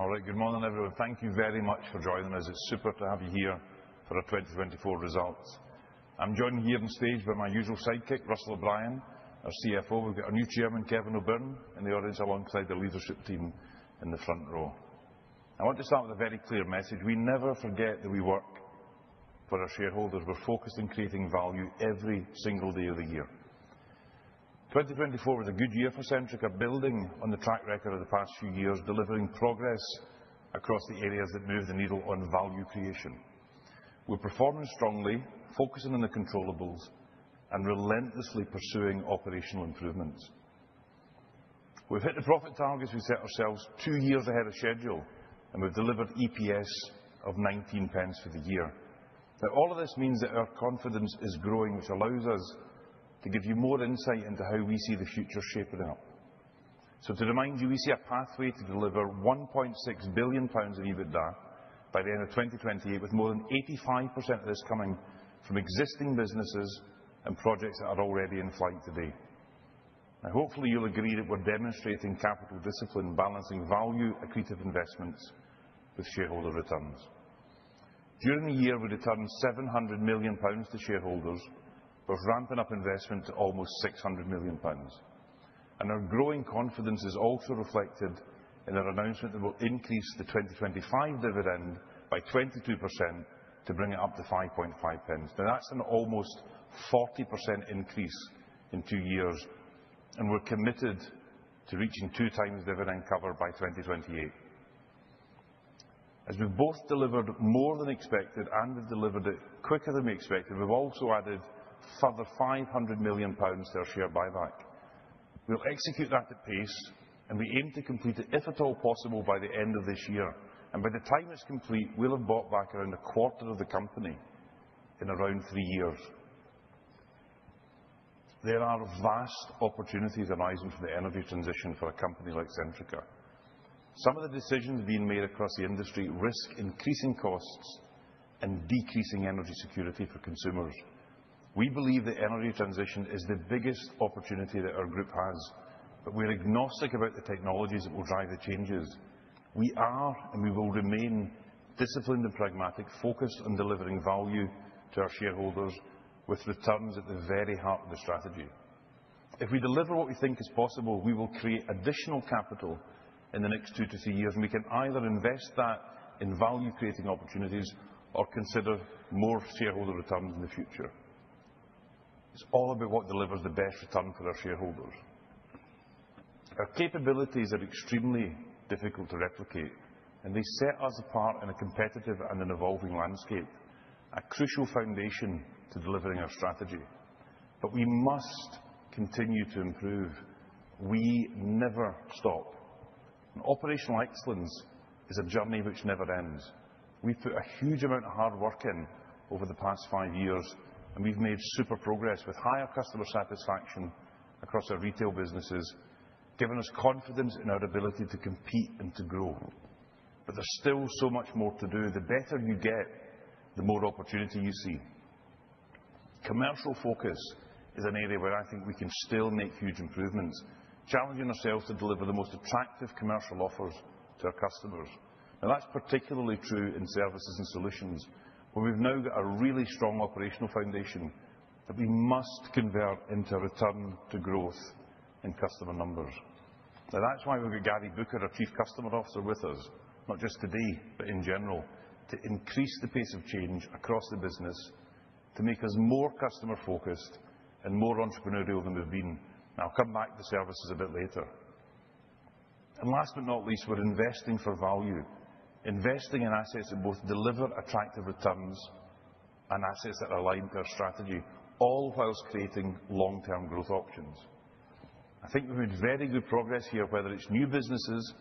All right, good morning, everyone. Thank you very much for joining us. It's super to have you here for our 2024 results. I'm joined here on stage by my usual sidekick, Russell O'Brien, our CFO. We've got our new chairman, Kevin O'Byrne, in the audience alongside the leadership team in the front row. I want to start with a very clear message: we never forget that we work for our shareholders. We're focused on creating value every single day of the year. 2024 was a good year for Centrica, building on the track record of the past few years, delivering progress across the areas that move the needle on value creation. We're performing strongly, focusing on the controllables and relentlessly pursuing operational improvements. We've hit the profit targets we set ourselves two years ahead of schedule, and we've delivered EPS of 19 pence for the year. Now, all of this means that our confidence is growing, which allows us to give you more insight into how we see the future shaping up. So, to remind you, we see a pathway to deliver £1.6 billion of EBITDA by the end of 2028, with more than 85% of this coming from existing businesses and projects that are already in flight today. Now, hopefully, you'll agree that we're demonstrating capital discipline and balancing value-accretive investments with shareholder returns. During the year, we returned £700 million to shareholders, both ramping up investment to almost £600 million. And our growing confidence is also reflected in our announcement that we'll increase the 2025 dividend by 22% to bring it up to 5.5p. Now, that's an almost 40% increase in two years, and we're committed to reaching two times dividend cover by 2028. As we've both delivered more than expected and we've delivered it quicker than we expected, we've also added further 500 million pounds to our share buyback. We'll execute that at pace, and we aim to complete it, if at all possible, by the end of this year. And by the time it's complete, we'll have bought back around a quarter of the company in around three years. There are vast opportunities arising from the energy transition for a company like Centrica. Some of the decisions being made across the industry risk increasing costs and decreasing energy security for consumers. We believe the energy transition is the biggest opportunity that our group has, but we're agnostic about the technologies that will drive the changes. We are, and we will remain disciplined and pragmatic, focused on delivering value to our shareholders, with returns at the very heart of the strategy. If we deliver what we think is possible, we will create additional capital in the next two to three years, and we can either invest that in value-creating opportunities or consider more shareholder returns in the future. It's all about what delivers the best return for our shareholders. Our capabilities are extremely difficult to replicate, and they set us apart in a competitive and an evolving landscape, a crucial foundation to delivering our strategy. But we must continue to improve. We never stop. And operational excellence is a journey which never ends. We've put a huge amount of hard work in over the past five years, and we've made super progress with higher customer satisfaction across our retail businesses, giving us confidence in our ability to compete and to grow. But there's still so much more to do. The better you get, the more opportunity you see. Commercial focus is an area where I think we can still make huge improvements, challenging ourselves to deliver the most attractive commercial offers to our customers. Now, that's particularly true in services and solutions, where we've now got a really strong operational foundation that we must convert into a return to growth in customer numbers. Now, that's why we've got Gary Booker, our Chief Customer Officer, with us, not just today, but in general, to increase the pace of change across the business, to make us more customer-focused and more entrepreneurial than we've been. Now, I'll come back to services a bit later. And last but not least, we're investing for value, investing in assets that both deliver attractive returns and assets that are aligned to our strategy, all whilst creating long-term growth options. I think we've made very good progress here, whether it's new businesses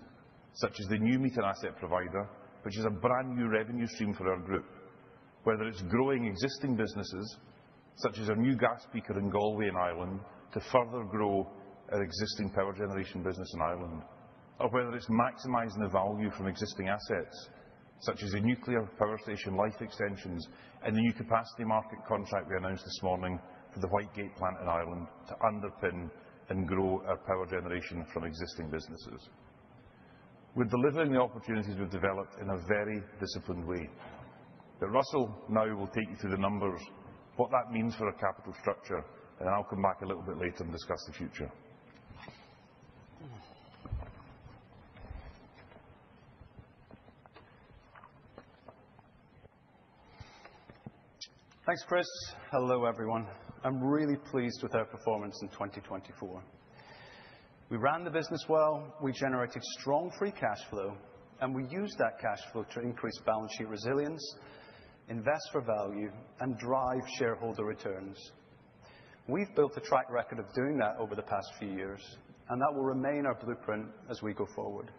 such as the new meter asset provider, which is a brand new revenue stream for our group, whether it's growing existing businesses such as our new gas peaker in Galway and Ireland to further grow our existing power generation business in Ireland, or whether it's maximizing the value from existing assets such as the nuclear power station life extensions and the new capacity market contract we announced this morning for the Whitegate plant in Ireland to underpin and grow our power generation from existing businesses. We're delivering the opportunities we've developed in a very disciplined way. Now, Russell will take you through the numbers, what that means for our capital structure, and then I'll come back a little bit later and discuss the future. Thanks, Chris. Hello, everyone. I'm really pleased with our performance in 2024. We ran the business well, we generated strong free cash flow, and we used that cash flow to increase balance sheet resilience, invest for value, and drive shareholder returns. We've built a track record of doing that over the past few years, and that will remain our blueprint as we go forward.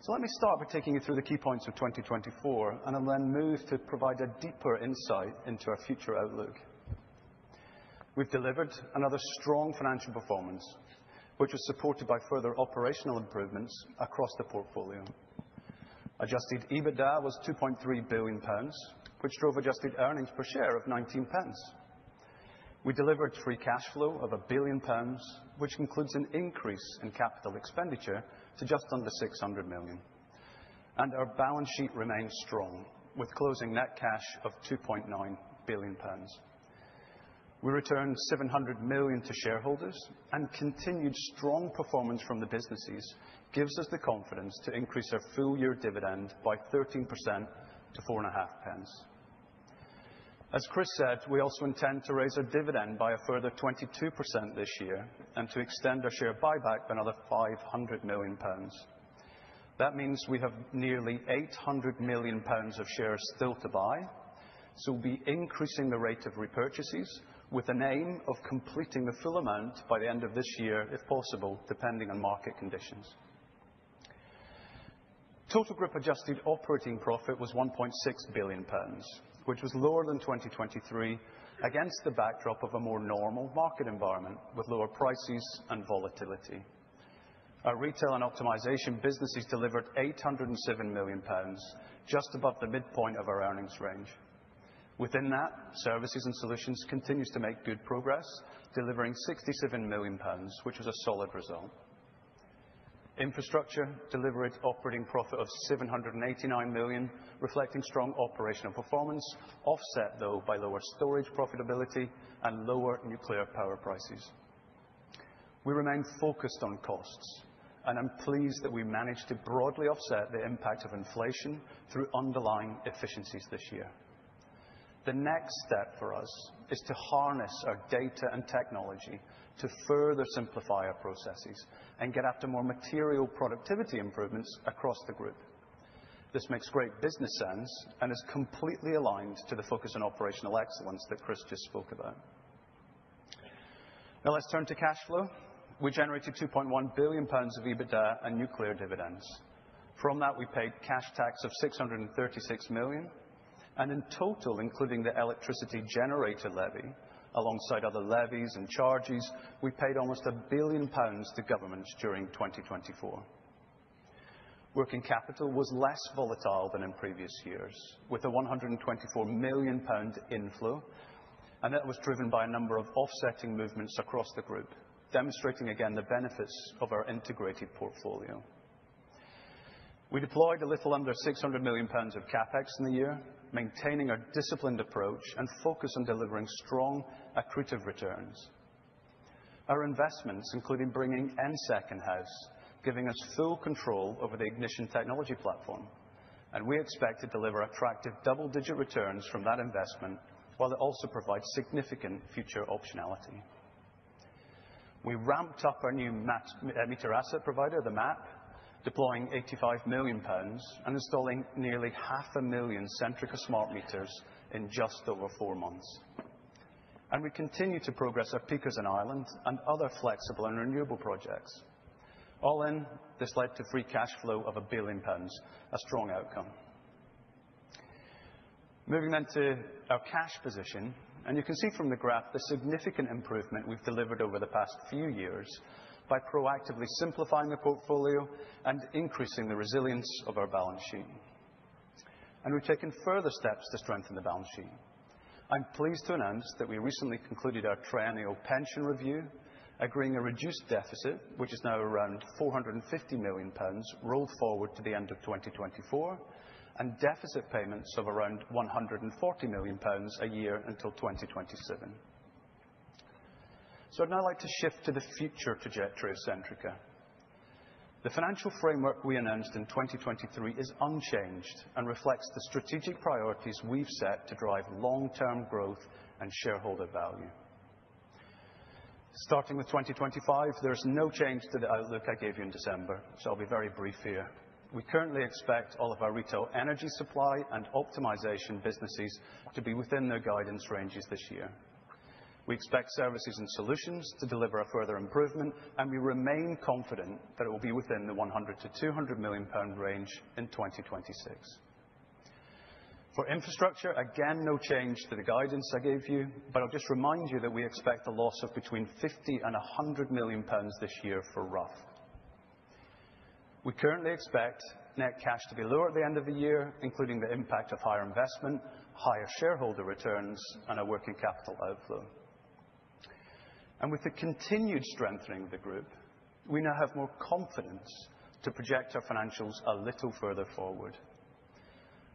So let me start by taking you through the key points of 2024, and I'll then move to provide a deeper insight into our future outlook. We've delivered another strong financial performance, which was supported by further operational improvements across the portfolio. Adjusted EBITDA was 2.3 billion pounds, which drove adjusted earnings per share of 19 pence. We delivered free cash flow of 1 billion pounds, which includes an increase in capital expenditure to just under 600 million. Our balance sheet remained strong, with closing net cash of 2.9 billion pounds. We returned 700 million to shareholders, and continued strong performance from the businesses gives us the confidence to increase our full-year dividend by 13% to 4.50p. As Chris said, we also intend to raise our dividend by a further 22% this year and to extend our share buyback by another 500 million pounds. That means we have nearly 800 million pounds of shares still to buy, so we'll be increasing the rate of repurchases with an aim of completing the full amount by the end of this year, if possible, depending on market conditions. Total group adjusted operating profit was 1.6 billion pounds, which was lower than 2023 against the backdrop of a more normal market environment with lower prices and volatility. Our retail and optimization businesses delivered 807 million pounds, just above the midpoint of our earnings range. Within that, Services and Solutions continues to make good progress, delivering 67 million pounds, which was a solid result. Infrastructure delivered operating profit of 789 million, reflecting strong operational performance, offset, though, by lower storage profitability and lower nuclear power prices. We remain focused on costs, and I'm pleased that we managed to broadly offset the impact of inflation through underlying efficiencies this year. The next step for us is to harness our data and technology to further simplify our processes and get after more material productivity improvements across the group. This makes great business sense and is completely aligned to the focus on operational excellence that Chris just spoke about. Now, let's turn to cash flow. We generated 2.1 billion pounds of EBITDA and nuclear dividends. From that, we paid cash tax of 636 million. In total, including the electricity generator levy alongside other levies and charges, we paid almost £1 billion to governments during 2024. Working capital was less volatile than in previous years, with a £124 million inflow, and that was driven by a number of offsetting movements across the group, demonstrating again the benefits of our integrated portfolio. We deployed a little under £600 million of CapEx in the year, maintaining our disciplined approach and focus on delivering strong accretive returns. Our investments, including bringing ENSEK in-house, give us full control over the Ignition technology platform, and we expect to deliver attractive double-digit returns from that investment while it also provides significant future optionality. We ramped up our new meter asset provider, the MAP, deploying £85 million and installing nearly 500,000 Centrica Smart Meters in just over four months. We continue to progress our speakers in Ireland and other flexible and renewable projects. All in, this led to free cash flow of 1 billion pounds, a strong outcome. Moving then to our cash position, and you can see from the graph the significant improvement we've delivered over the past few years by proactively simplifying the portfolio and increasing the resilience of our balance sheet. We’ve taken further steps to strengthen the balance sheet. I'm pleased to announce that we recently concluded our triennial pension review, agreeing a reduced deficit, which is now around 450 million pounds, rolled forward to the end of 2024, and deficit payments of around 140 million pounds a year until 2027. I’d now like to shift to the future trajectory of Centrica. The financial framework we announced in 2023 is unchanged and reflects the strategic priorities we've set to drive long-term growth and shareholder value. Starting with 2025, there is no change to the outlook I gave you in December, so I'll be very brief here. We currently expect all of our retail energy supply and optimization businesses to be within their guidance ranges this year. We expect services and solutions to deliver a further improvement, and we remain confident that it will be within the 100 to 200 million pound range in 2026. For infrastructure, again, no change to the guidance I gave you, but I'll just remind you that we expect a loss of between 50 and 100 million pounds this year for Rough. We currently expect net cash to be lower at the end of the year, including the impact of higher investment, higher shareholder returns, and our working capital outflow, and with the continued strengthening of the group, we now have more confidence to project our financials a little further forward.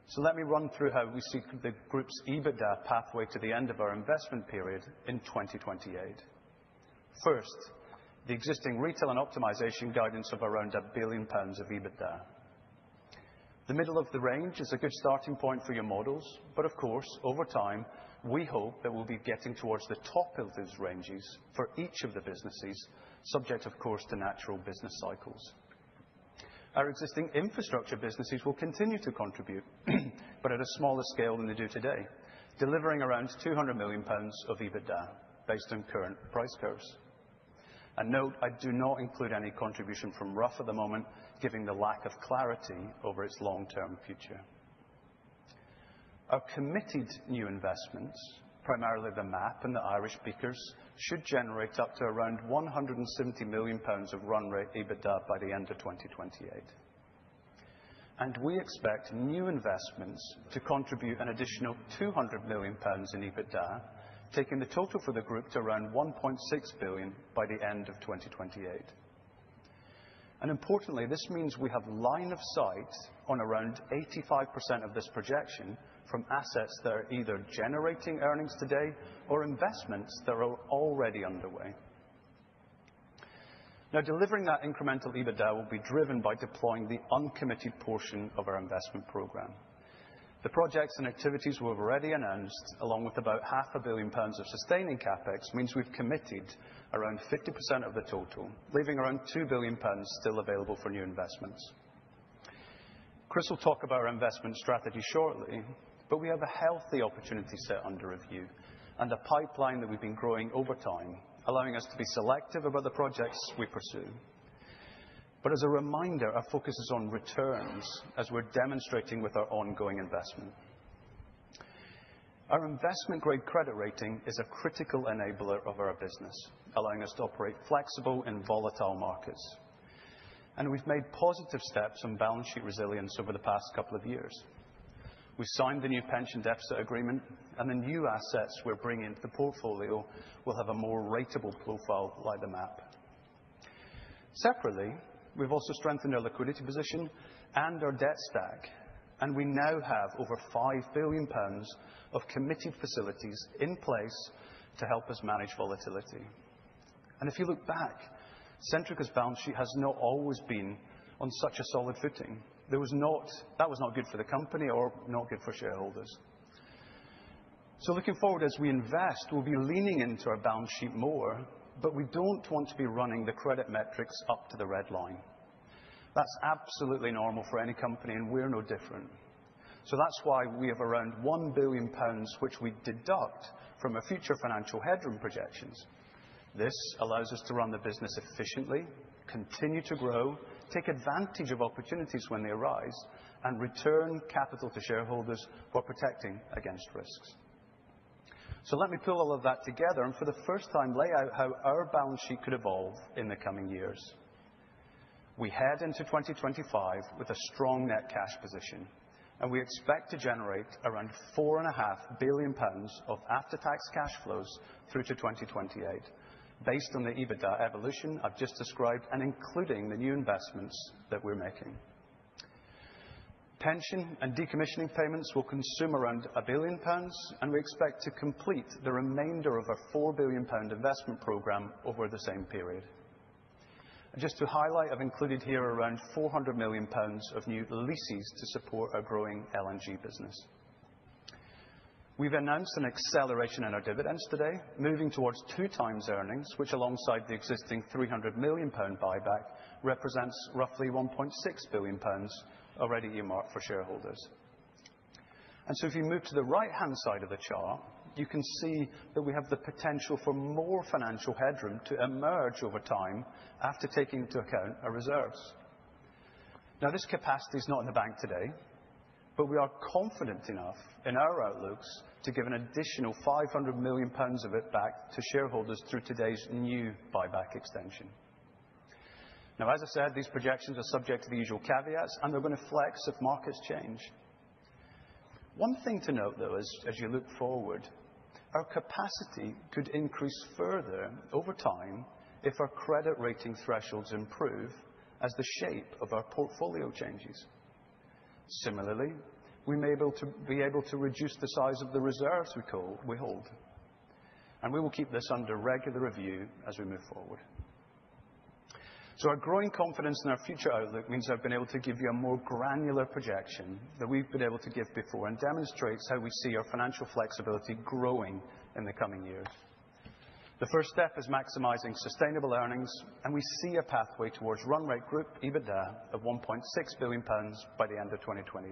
So let me run through how we see the group's EBITDA pathway to the end of our investment period in 2028. First, the existing retail and optimization guidance of around £1 billion of EBITDA. The middle of the range is a good starting point for your models, but of course, over time, we hope that we'll be getting towards the top of those ranges for each of the businesses, subject, of course, to natural business cycles. Our existing infrastructure businesses will continue to contribute, but at a smaller scale than they do today, delivering around £200 million of EBITDA based on current price curves. And note, I do not include any contribution from Rough at the moment, given the lack of clarity over its long-term future. Our committed new investments, primarily the MAP and the Irish speakers, should generate up to around 170 million pounds of run rate EBITDA by the end of 2028. And we expect new investments to contribute an additional 200 million pounds in EBITDA, taking the total for the group to around 1.6 billion by the end of 2028. And importantly, this means we have line of sight on around 85% of this projection from assets that are either generating earnings today or investments that are already underway. Now, delivering that incremental EBITDA will be driven by deploying the uncommitted portion of our investment program. The projects and activities we've already announced, along with about 500 million pounds of sustaining CapEx, means we've committed around 50% of the total, leaving around 2 billion pounds still available for new investments. Chris will talk about our investment strategy shortly, but we have a healthy opportunity set under review and a pipeline that we've been growing over time, allowing us to be selective about the projects we pursue, but as a reminder, our focus is on returns as we're demonstrating with our ongoing investment. Our investment-grade credit rating is a critical enabler of our business, allowing us to operate flexible in volatile markets, and we've made positive steps on balance sheet resilience over the past couple of years. We've signed the new pension deficit agreement, and the new assets we're bringing into the portfolio will have a more ratable profile like the MAP. Separately, we've also strengthened our liquidity position and our debt stack, and we now have over 5 billion pounds of committed facilities in place to help us manage volatility. And if you look back, Centrica's balance sheet has not always been on such a solid footing. That was not good for the company or not good for shareholders. So looking forward, as we invest, we'll be leaning into our balance sheet more, but we don't want to be running the credit metrics up to the red line. That's absolutely normal for any company, and we're no different. So that's why we have around 1 billion pounds, which we deduct from our future financial headroom projections. This allows us to run the business efficiently, continue to grow, take advantage of opportunities when they arise, and return capital to shareholders while protecting against risks. So let me pull all of that together and for the first time lay out how our balance sheet could evolve in the coming years. We head into 2025 with a strong net cash position, and we expect to generate around 4.5 billion pounds of after-tax cash flows through to 2028, based on the EBITDA evolution I've just described and including the new investments that we're making. Pension and decommissioning payments will consume around 1 billion pounds, and we expect to complete the remainder of our 4 billion pound investment program over the same period. And just to highlight, I've included here around 400 million pounds of new leases to support our growing LNG business. We've announced an acceleration in our dividends today, moving towards two times earnings, which alongside the existing 300 million pound buyback represents roughly 1.6 billion pounds already earmarked for shareholders. And so if you move to the right-hand side of the chart, you can see that we have the potential for more financial headroom to emerge over time after taking into account our reserves. Now, this capacity is not in the bank today, but we are confident enough in our outlooks to give an additional 500 million pounds of it back to shareholders through today's new buyback extension. Now, as I said, these projections are subject to the usual caveats, and they're going to flex if markets change. One thing to note, though, as you look forward, our capacity could increase further over time if our credit rating thresholds improve as the shape of our portfolio changes. Similarly, we may be able to reduce the size of the reserves we hold. And we will keep this under regular review as we move forward. So our growing confidence in our future outlook means I've been able to give you a more granular projection than we've been able to give before and demonstrates how we see our financial flexibility growing in the coming years. The first step is maximizing sustainable earnings, and we see a pathway towards run rate group EBITDA of 1.6 billion pounds by the end of 2028.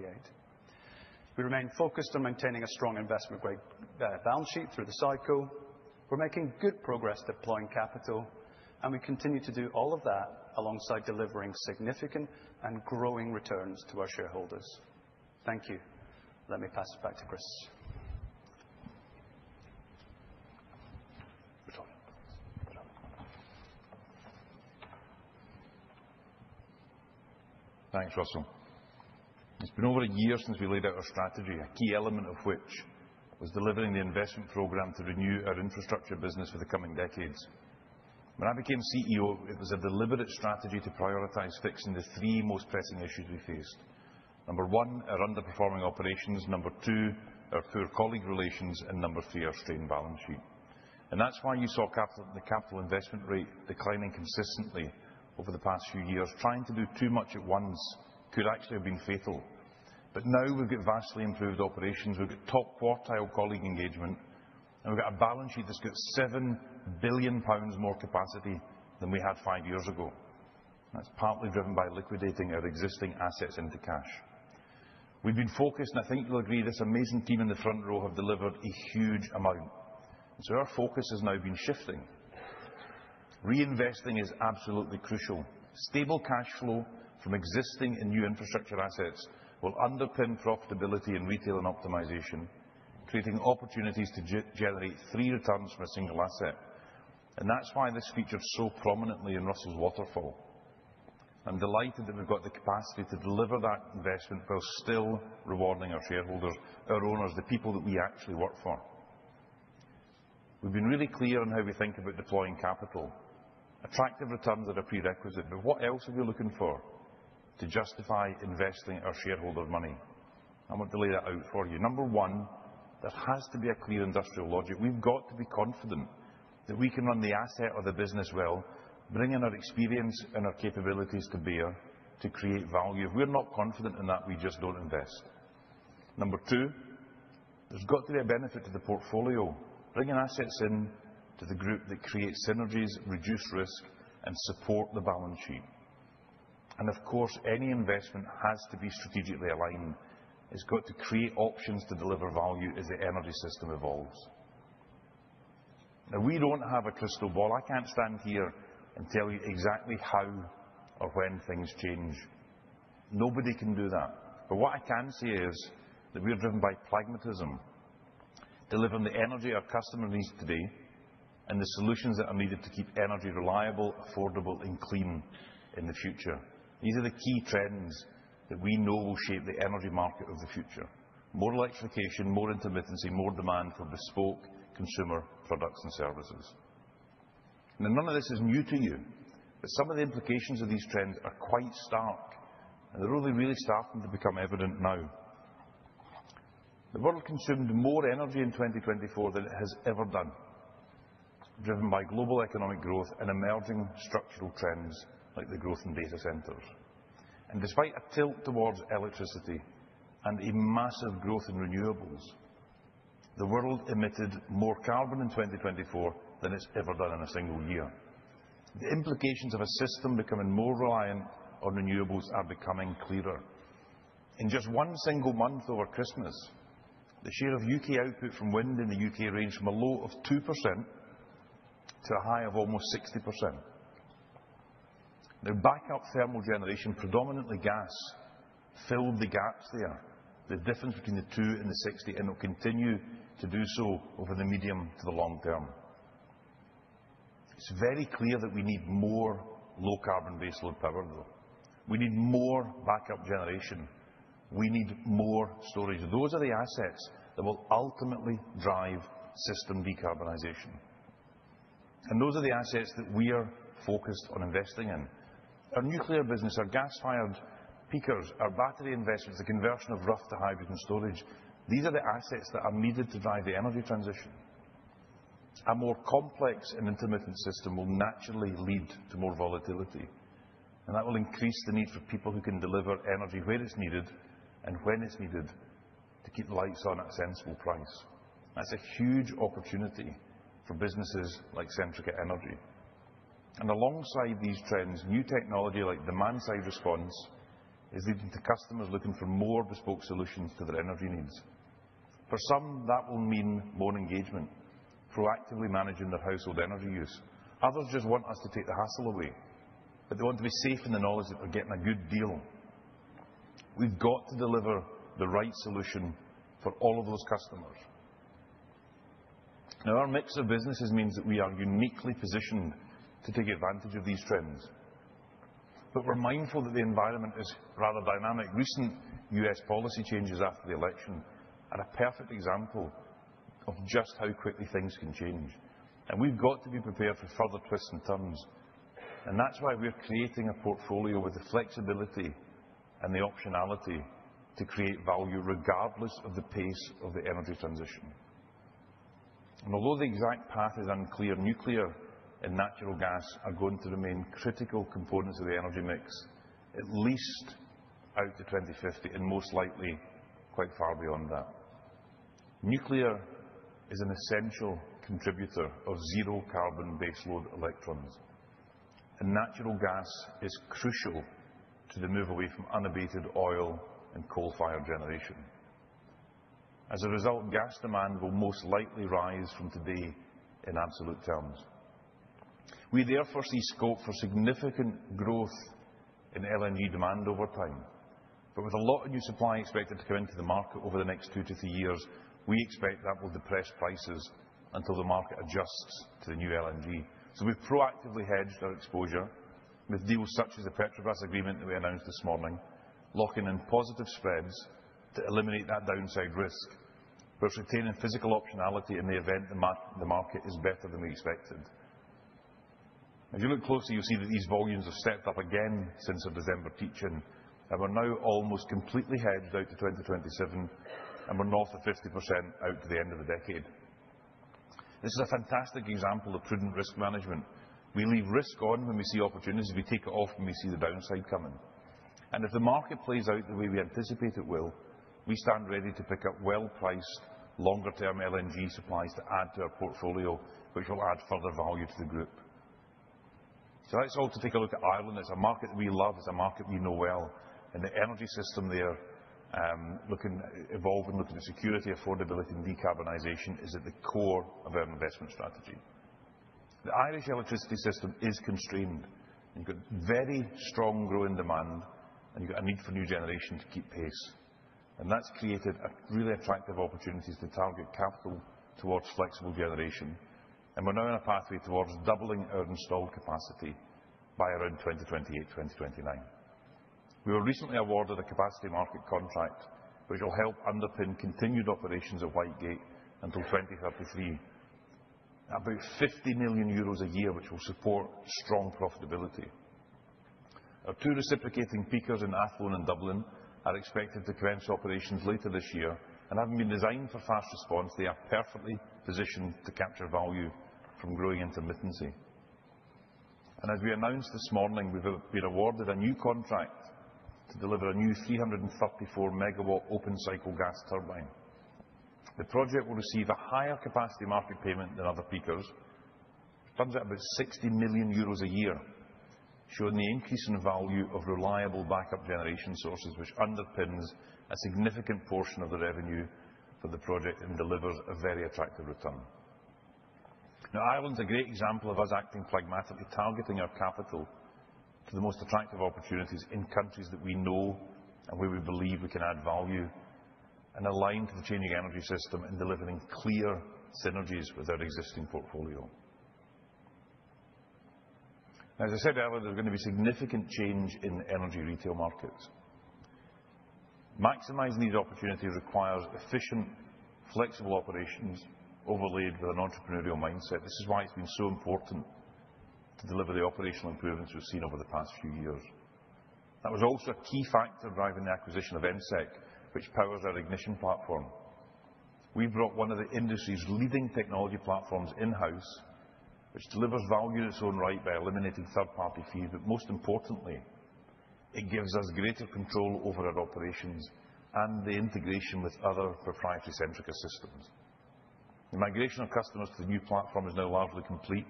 We remain focused on maintaining a strong investment-grade balance sheet through the cycle. We're making good progress deploying capital, and we continue to do all of that alongside delivering significant and growing returns to our shareholders. Thank you. Let me pass it back to Chris. Thanks, Russell. It's been over a year since we laid out our strategy, a key element of which was delivering the investment program to renew our infrastructure business for the coming decades. When I became CEO, it was a deliberate strategy to prioritize fixing the three most pressing issues we faced. Number one, our underperforming operations. Number two, our poor colleague relations, and number three, our strained balance sheet. That's why you saw the capital investment rate declining consistently over the past few years. Trying to do too much at once could actually have been fatal. Now we've got vastly improved operations, we've got top quartile colleague engagement, and we've got a balance sheet that's got 7 billion pounds more capacity than we had five years ago. That's partly driven by liquidating our existing assets into cash. We've been focused, and I think you'll agree, this amazing team in the front row have delivered a huge amount. Our focus has now been shifting. Reinvesting is absolutely crucial. Stable cash flow from existing and new infrastructure assets will underpin profitability in retail and optimization, creating opportunities to generate three returns from a single asset. That's why this featured so prominently in Russell's waterfall. I'm delighted that we've got the capacity to deliver that investment while still rewarding our shareholders, our owners, the people that we actually work for. We've been really clear on how we think about deploying capital. Attractive returns are a prerequisite, but what else are we looking for to justify investing our shareholder money? I won't lay that out for you. Number one, there has to be a clear industrial logic. We've got to be confident that we can run the asset or the business well, bringing our experience and our capabilities to bear to create value. If we're not confident in that, we just don't invest. Number two, there's got to be a benefit to the portfolio. Bringing assets into the group that creates synergies, reduces risk, and supports the balance sheet, and of course, any investment has to be strategically aligned. It's got to create options to deliver value as the energy system evolves. Now, we don't have a crystal ball. I can't stand here and tell you exactly how or when things change. Nobody can do that. But what I can say is that we're driven by pragmatism, delivering the energy our customers need today and the solutions that are needed to keep energy reliable, affordable, and clean in the future. These are the key trends that we know will shape the energy market of the future: more electrification, more intermittency, more demand for bespoke consumer products and services, and none of this is new to you, but some of the implications of these trends are quite stark, and they're only really starting to become evident now. The world consumed more energy in 2024 than it has ever done, driven by global economic growth and emerging structural trends like the growth in data centers, and despite a tilt towards electricity and a massive growth in renewables, the world emitted more carbon in 2024 than it's ever done in a single year. The implications of a system becoming more reliant on renewables are becoming clearer. In just one single month over Christmas, the share of U.K. output from wind in the U.K. ranged from a low of 2% to a high of almost 60%. Now, backup thermal generation, predominantly gas, filled the gaps there, the difference between the 2 and the 60, and it will continue to do so over the medium to the long term. It's very clear that we need more low-carbon baseload power, though. We need more backup generation. We need more storage. Those are the assets that will ultimately drive system decarbonization. And those are the assets that we are focused on investing in: our nuclear business, our gas-fired speakers, our battery investments, the conversion of Rough to hydrogen storage. These are the assets that are needed to drive the energy transition. A more complex and intermittent system will naturally lead to more volatility, and that will increase the need for people who can deliver energy where it's needed and when it's needed to keep the lights on at a sensible price. That's a huge opportunity for businesses like Centrica Energy. And alongside these trends, new technology like demand-side response is leading to customers looking for more bespoke solutions to their energy needs. For some, that will mean more engagement, proactively managing their household energy use. Others just want us to take the hassle away, but they want to be safe in the knowledge that they're getting a good deal. We've got to deliver the right solution for all of those customers. Now, our mix of businesses means that we are uniquely positioned to take advantage of these trends. But we're mindful that the environment is rather dynamic. Recent U.S. policy changes after the election are a perfect example of just how quickly things can change. And we've got to be prepared for further twists and turns. And that's why we're creating a portfolio with the flexibility and the optionality to create value regardless of the pace of the energy transition. And although the exact path is unclear, nuclear and natural gas are going to remain critical components of the energy mix, at least out to 2050, and most likely quite far beyond that. Nuclear is an essential contributor of zero-carbon baseload electrons. And natural gas is crucial to the move away from unabated oil and coal-fired generation. As a result, gas demand will most likely rise from today in absolute terms. We therefore see scope for significant growth in LNG demand over time. But with a lot of new supply expected to come into the market over the next two to three years, we expect that will depress prices until the market adjusts to the new LNG. So we've proactively hedged our exposure with deals such as the Petrobras agreement that we announced this morning, locking in positive spreads to eliminate that downside risk, but retaining physical optionality in the event the market is better than we expected. As you look closely, you'll see that these volumes have stepped up again since our December peaking, and we're now almost completely hedged out to 2027, and we're north of 50% out to the end of the decade. This is a fantastic example of prudent risk management. We leave risk on when we see opportunities. We take it off when we see the downside coming. And if the market plays out the way we anticipate it will, we stand ready to pick up well-priced, longer-term LNG supplies to add to our portfolio, which will add further value to the group. So that's all to take a look at Ireland. It's a market that we love. It's a market we know well. And the energy system there, evolving, looking at security, affordability, and decarbonization is at the core of our investment strategy. The Irish electricity system is constrained. You've got very strong growing demand, and you've got a need for new generation to keep pace. And that's created really attractive opportunities to target capital towards flexible generation. And we're now on a pathway towards doubling our installed capacity by around 2028-2029. We were recently awarded a capacity market contract, which will help underpin continued operations at Whitegate until 2033, about 50 million euros a year, which will support strong profitability. Our two reciprocating peakers in Athlone and Dublin are expected to commence operations later this year. And having been designed for fast response, they are perfectly positioned to capture value from growing intermittency. And as we announced this morning, we've been awarded a new contract to deliver a new 334-megawatt open-cycle gas turbine. The project will receive a higher capacity market payment than other speakers, which comes at about 60 million euros a year, showing the increase in value of reliable backup generation sources, which underpins a significant portion of the revenue for the project and delivers a very attractive return. Now, Ireland's a great example of us acting pragmatically, targeting our capital to the most attractive opportunities in countries that we know and where we believe we can add value, and aligned to the changing energy system and delivering clear synergies with our existing portfolio. Now, as I said earlier, there's going to be significant change in the energy retail markets. Maximizing these opportunities requires efficient, flexible operations overlaid with an entrepreneurial mindset. This is why it's been so important to deliver the operational improvements we've seen over the past few years. That was also a key factor driving the acquisition of ENSEK, which powers our Ignition platform. We brought one of the industry's leading technology platforms in-house, which delivers value in its own right by eliminating third-party fees. But most importantly, it gives us greater control over our operations and the integration with other proprietary Centrica systems. The migration of customers to the new platform is now largely complete,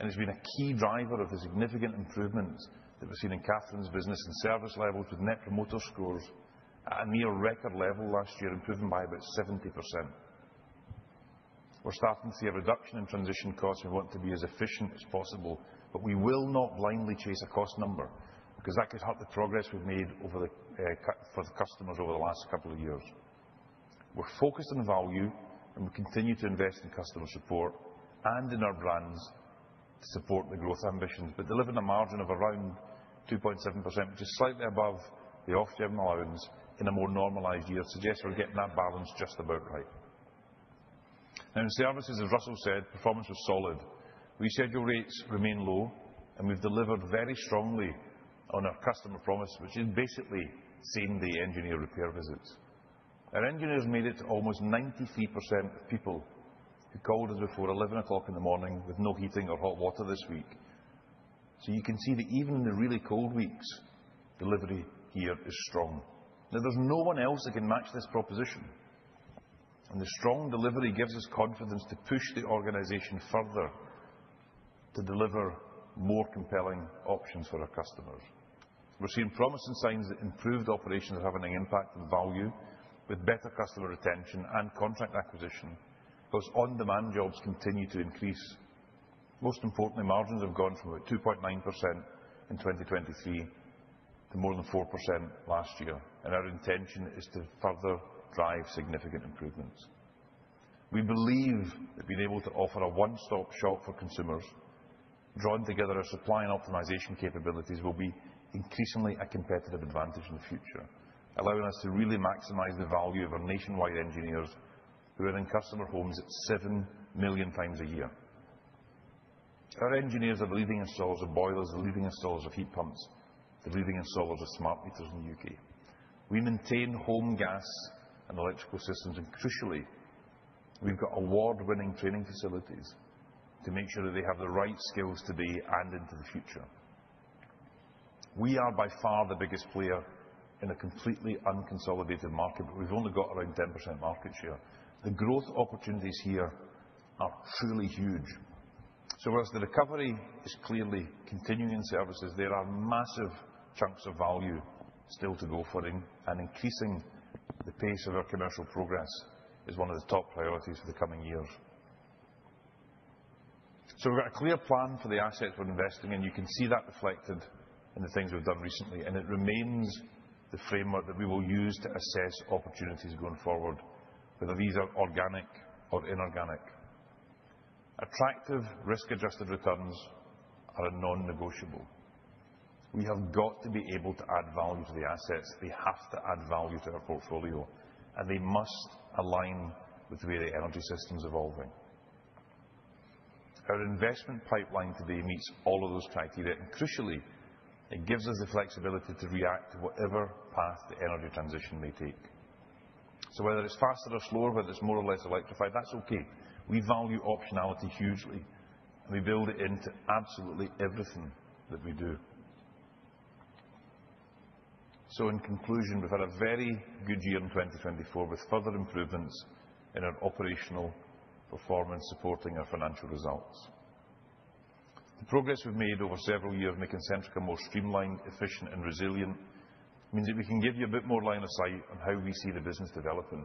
and it's been a key driver of the significant improvements that we've seen in Catherine's business and service levels, with Net Promoter Scores at a near record level last year, improving by about 70%. We're starting to see a reduction in transition costs. We want to be as efficient as possible, but we will not blindly chase a cost number because that could hurt the progress we've made for the customers over the last couple of years. We're focused on value, and we continue to invest in customer support and in our brands to support the growth ambitions, but delivering a margin of around 2.7%, which is slightly above the Ofgem allowance in a more normalized year, suggests we're getting that balance just about right. Now, in services, as Russell said, performance was solid. Reschedule rates remain low, and we've delivered very strongly on our customer promise, which is basically same-day engineer repair visits. Our engineers made it to almost 93% of people who called us before 11:00 A.M. with no heating or hot water this week. So you can see that even in the really cold weeks, delivery here is strong. Now, there's no one else that can match this proposition. And the strong delivery gives us confidence to push the organization further to deliver more compelling options for our customers. We're seeing promising signs that improved operations are having an impact on value, with better customer retention and contract acquisition, because on-demand jobs continue to increase. Most importantly, margins have gone from about 2.9% in 2023 to more than 4% last year, and our intention is to further drive significant improvements. We believe that being able to offer a one-stop shop for consumers, drawing together our supply and optimization capabilities, will be increasingly a competitive advantage in the future, allowing us to really maximize the value of our nationwide engineers who are in customer homes seven million times a year. Our engineers are the leading installers of boilers, the leading installers of heat pumps, the leading installers of smart meters in the U..K. We maintain home gas and electrical systems, and crucially, we've got award-winning training facilities to make sure that they have the right skills today and into the future. We are by far the biggest player in a completely unconsolidated market, but we've only got around 10% market share. The growth opportunities here are truly huge. So whereas the recovery is clearly continuing in services, there are massive chunks of value still to go for it. And increasing the pace of our commercial progress is one of the top priorities for the coming years. So we've got a clear plan for the assets we're investing in. You can see that reflected in the things we've done recently. And it remains the framework that we will use to assess opportunities going forward, whether these are organic or inorganic. Attractive risk-adjusted returns are a non-negotiable. We have got to be able to add value to the assets. They have to add value to our portfolio, and they must align with the way the energy system's evolving. Our investment pipeline today meets all of those criteria. And crucially, it gives us the flexibility to react to whatever path the energy transition may take. So whether it's faster or slower, whether it's more or less electrified, that's okay. We value optionality hugely, and we build it into absolutely everything that we do. So in conclusion, we've had a very good year in 2024 with further improvements in our operational performance supporting our financial results. The progress we've made over several years making Centrica more streamlined, efficient, and resilient means that we can give you a bit more line of sight on how we see the business developing.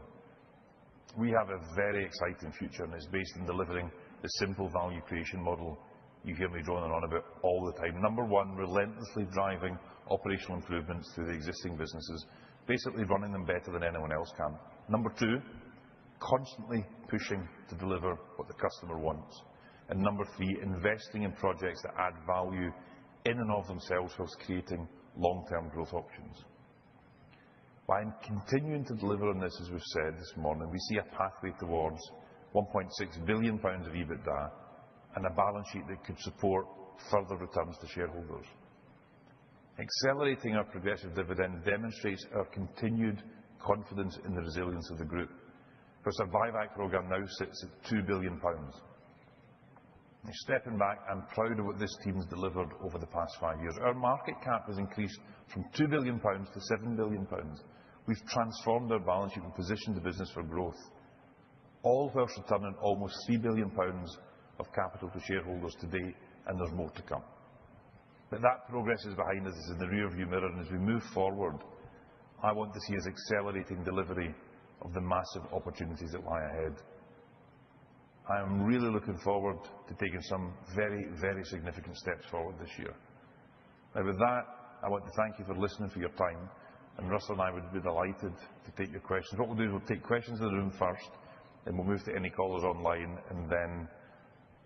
We have a very exciting future, and it's based on delivering the simple value creation model you hear me droning on about all the time. Number one, relentlessly driving operational improvements through the existing businesses, basically running them better than anyone else can. Number two, constantly pushing to deliver what the customer wants. And number three, investing in projects that add value in and of themselves whilst creating long-term growth options. By continuing to deliver on this, as we've said this morning, we see a pathway towards 1.6 billion pounds of EBITDA and a balance sheet that could support further returns to shareholders. Accelerating our progressive dividend demonstrates our continued confidence in the resilience of the group. Our share buyback program now sits at 2 billion pounds. Stepping back, I'm proud of what this team has delivered over the past five years. Our market cap has increased from 2 billion pounds to 7 billion pounds. We've transformed our balance sheet and positioned the business for growth, all whilst returning almost 3 billion pounds of capital to shareholders today, and there's more to come. But that progress is behind us. It's in the rearview mirror. And as we move forward, I want to see us accelerating delivery of the massive opportunities that lie ahead. I am really looking forward to taking some very, very significant steps forward this year. Now, with that, I want to thank you for listening for your time. And Russell and I would be delighted to take your questions. What we'll do is we'll take questions in the room first, then we'll move to any callers online, and then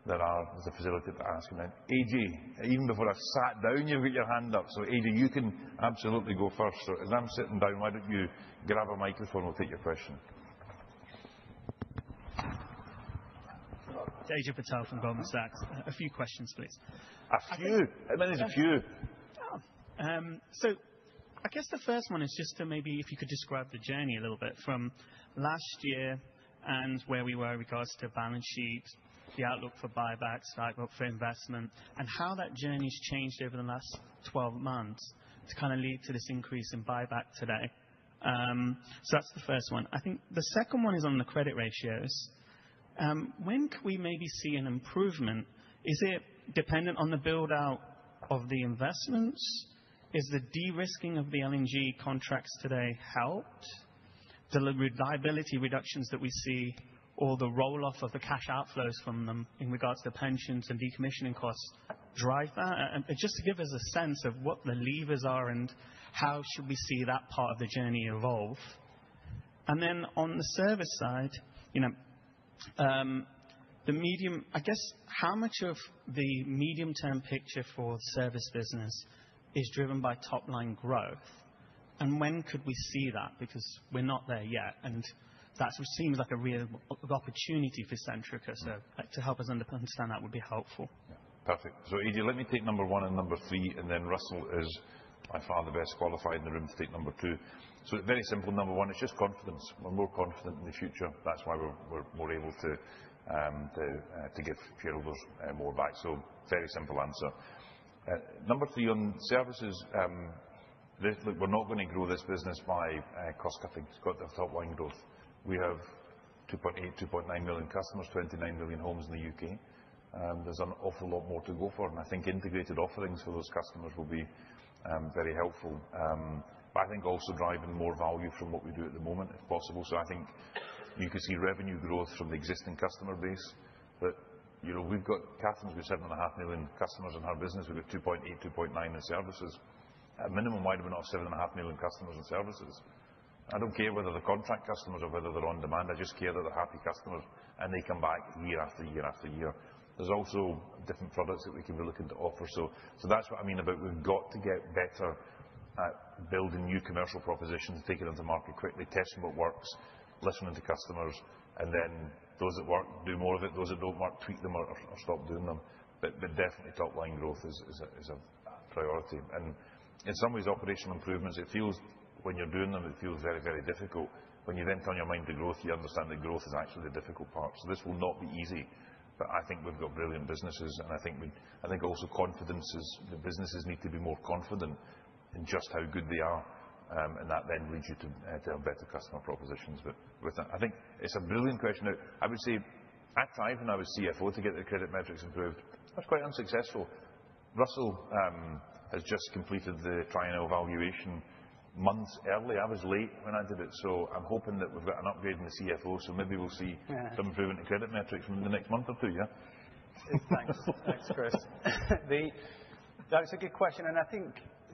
there is a facility to ask them. And AJ, even before I've sat down, you've got your hand up. So AJ, you can absolutely go first. So as I'm sitting down, why don't you grab a microphone? We'll take your question. Ajay Patel from Goldman Sachs. A few questions, please. A few? I mean, there's a few. So I guess the first one is just to maybe, if you could describe the journey a little bit from last year and where we were in regards to balance sheet, the outlook for buybacks, the outlook for investment, and how that journey's changed over the last 12 months to kind of lead to this increase in buyback today. So that's the first one. I think the second one is on the credit ratios. When can we maybe see an improvement? Is it dependent on the build-out of the investments? Is the de-risking of the LNG contracts today helped? The liability reductions that we see or the roll-off of the cash outflows from them in regards to pensions and decommissioning costs drive that? Just to give us a sense of what the levers are and how should we see that part of the journey evolve? And then on the service side, I guess how much of the medium-term picture for the service business is driven by top-line growth? And when could we see that? Because we're not there yet. And that seems like a real opportunity for Centrica. So to help us understand that would be helpful. Perfect. So AJ, let me take number one and number three, and then Russell is by far the best qualified in the room to take number two. So very simple, number one, it's just confidence. We're more confident in the future. That's why we're more able to give shareholders more back. So, very simple answer. Number three on services, we're not going to grow this business by cost-cutting. It's got the top-line growth. We have 2.8, 2.9 million customers, 29 million homes in the U..K. There's an awful lot more to go for. And I think integrated offerings for those customers will be very helpful. But I think also driving more value from what we do at the moment, if possible. So I think you could see revenue growth from the existing customer base. But we've got Catherine's, we've got 7.5 million customers in her business. We've got 2.8, 2.9 in services. At minimum, why don't we not have 7.5 million customers in services? I don't care whether they're contract customers or whether they're on demand. I just care that they're happy customers, and they come back year after year after year. There's also different products that we could be looking to offer, so that's what I mean about we've got to get better at building new commercial propositions, taking it into market quickly, testing what works, listening to customers, and then those that work, do more of it. Those that don't work, tweak them or stop doing them, but definitely, top-line growth is a priority, and in some ways, operational improvements, it feels when you're doing them, it feels very, very difficult. When you then turn your mind to growth, you understand that growth is actually the difficult part, so this will not be easy, but I think we've got brilliant businesses, and I think also confidence is the businesses need to be more confident in just how good they are, and that then leads you to have better customer propositions, but I think it's a brilliant question. I would say at times, when I was CFO to get the credit metrics improved, I was quite unsuccessful. Russell has just completed the triennial valuation months early. I was late when I did it. So I'm hoping that we've got an upgrade in the CFO. So maybe we'll see some improvement in credit metrics in the next month or two, yeah? Thanks. Thanks, Chris. That was a good question, and I think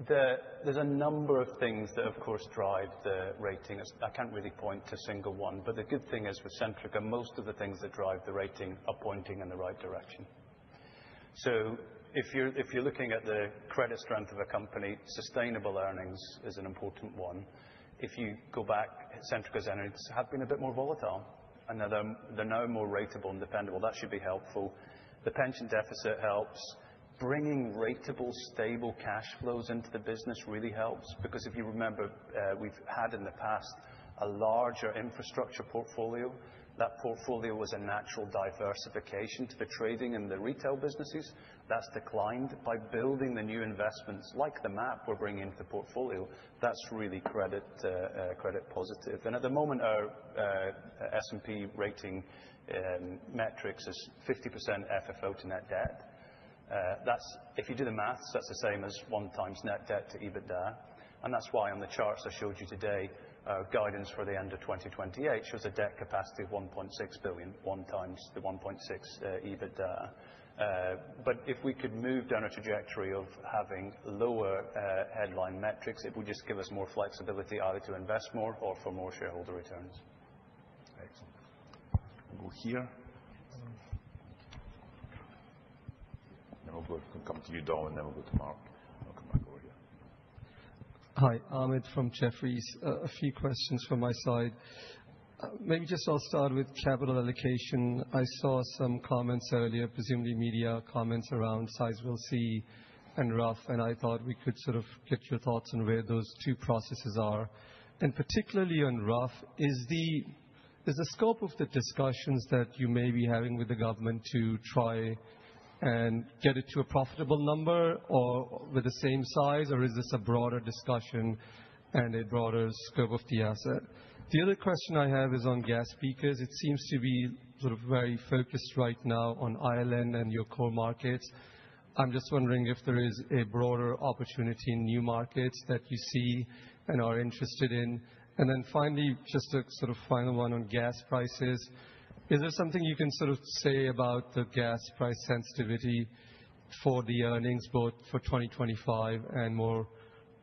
there's a number of things that, of course, drive the rating. I can't really point to a single one, but the good thing is with Centrica, most of the things that drive the rating are pointing in the right direction, so if you're looking at the credit strength of a company, sustainable earnings is an important one. If you go back, Centrica's earnings have been a bit more volatile, and they're now more ratable and dependable. That should be helpful. The pension deficit helps. Bringing ratable, stable cash flows into the business really helps. Because if you remember, we've had in the past a larger infrastructure portfolio. That portfolio was a natural diversification to the trading and the retail businesses. That's declined. By building the new investments like the MAP we're bringing into the portfolio, that's really credit-positive, and at the moment, our S&P rating metrics is 50% FFO to net debt. If you do the math, that's the same as one times net debt to EBITDA. And that's why on the charts I showed you today, our guidance for the end of 2028 shows a debt capacity of 1.6 billion, one times the 1.6 EBITDA, but if we could move down a trajectory of having lower headline metrics, it would just give us more flexibility either to invest more or for more shareholder returns. Excellent. We'll go here. Then we'll go and come to you, Don, and then we'll go to Mark. I'll come back over here. Hi, Ahmed from Jefferies. A few questions from my side. Maybe just I'll start with capital allocation. I saw some comments earlier, presumably media comments around Sizewell C and Rough. And I thought we could sort of get your thoughts on where those two processes are. And particularly on Rough, is the scope of the discussions that you may be having with the government to try and get it to a profitable number or with the same size, or is this a broader discussion and a broader scope of the asset? The other question I have is on gas speakers. It seems to be sort of very focused right now on Ireland and your core markets. I'm just wondering if there is a broader opportunity in new markets that you see and are interested in. And then finally, just a sort of final one on gas prices. Is there something you can sort of say about the gas price sensitivity for the earnings, both for 2025 and more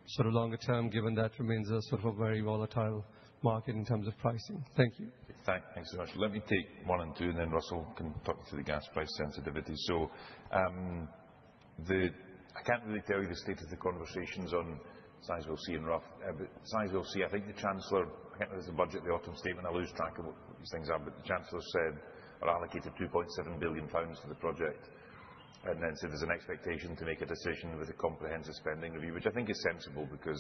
sort of longer term, given that remains a sort of a very volatile market in terms of pricing? Thank you. Thanks so much. Let me take one and two, and then Russell can talk to the gas price sensitivity. I can't really tell you the state of the conversations on Sizewell C and Rough. But Sizewell C, I think the Chancellor, I can't remember if it's the budget, the autumn statement, I lose track of what these things are, but the Chancellor said are allocated 2.7 billion pounds to the project. And then said there's an expectation to make a decision with a comprehensive spending review, which I think is sensible because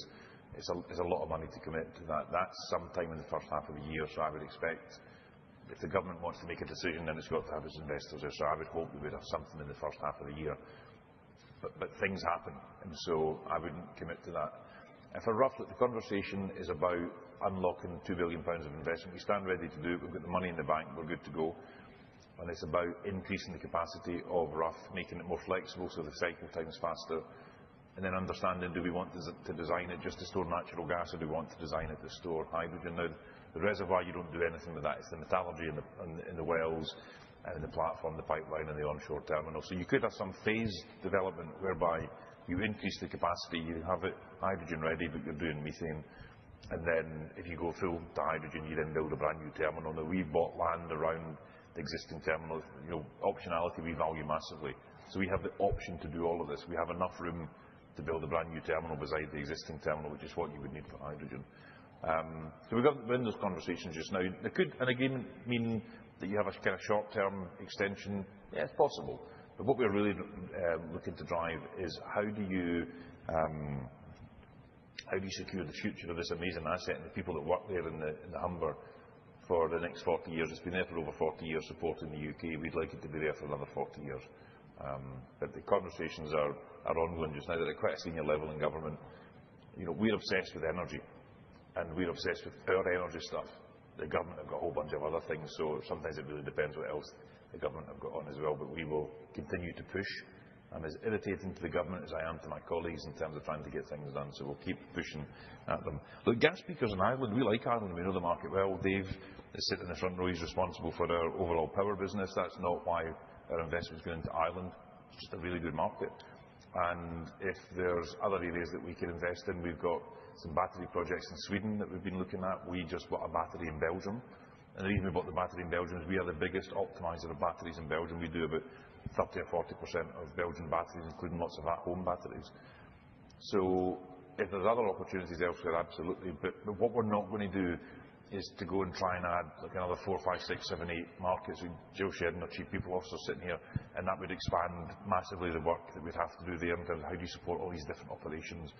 it's a lot of money to commit to that. That's sometime in the first half of the year. So I would expect if the government wants to make a decision, then it's got to have its investors there. So I would hope we would have something in the first half of the year. But things happen. And so I wouldn't commit to that. If the conversation is about unlocking £2 billion of investment, we stand ready to do it. We've got the money in the bank. We're good to go. And it's about increasing the capacity of Rough, making it more flexible so the cycle time is faster. And then, understanding, do we want to design it just to store natural gas, or do we want to design it to store hydrogen? Now, the reservoir, you don't do anything with that. It's the metallurgy in the wells, in the platform, the pipeline, and the onshore terminal. So you could have some phased development whereby you increase the capacity. You have it hydrogen ready, but you're doing methane. And then if you go full to hydrogen, you then build a brand new terminal. Now, we've bought land around the existing terminal. Optionality, we value massively. So we have the option to do all of this. We have enough room to build a brand new terminal beside the existing terminal, which is what you would need for hydrogen. So we've got to win those conversations just now. And again, meaning that you have a kind of short-term extension. Yeah, it's possible. But what we're really looking to drive is how do you secure the future of this amazing asset and the people that work there in the Humber for the next 40 years. It's been there for over 40 years supporting the U.K. We'd like it to be there for another 40 years. But the conversations are ongoing just now. They're at quite a senior level in government. We're obsessed with energy, and we're obsessed with our energy stuff. The government have got a whole bunch of other things. So sometimes it really depends what else the government have got on as well. But we will continue to push. I'm as irritating to the government as I am to my colleagues in terms of trying to get things done. So we'll keep pushing at them. Look, gas speakers in Ireland, we like Ireland. We know the market well. Dave is sitting in the front row. He's responsible for our overall power business. That's not why our investments go into Ireland. It's just a really good market, and if there's other areas that we could invest in, we've got some battery projects in Sweden that we've been looking at. We just bought a battery in Belgium, and the reason we bought the battery in Belgium is we are the biggest optimizer of batteries in Belgium. We do about 30% or 40% of Belgian batteries, including lots of our home batteries, so if there's other opportunities elsewhere, absolutely, but what we're not going to do is to go and try and add another four, five, six, seven, eight markets. Jill Shedden our Chief People Officer also sitting here. That would expand massively the work that we'd have to do there in terms of how do you support all these different operations.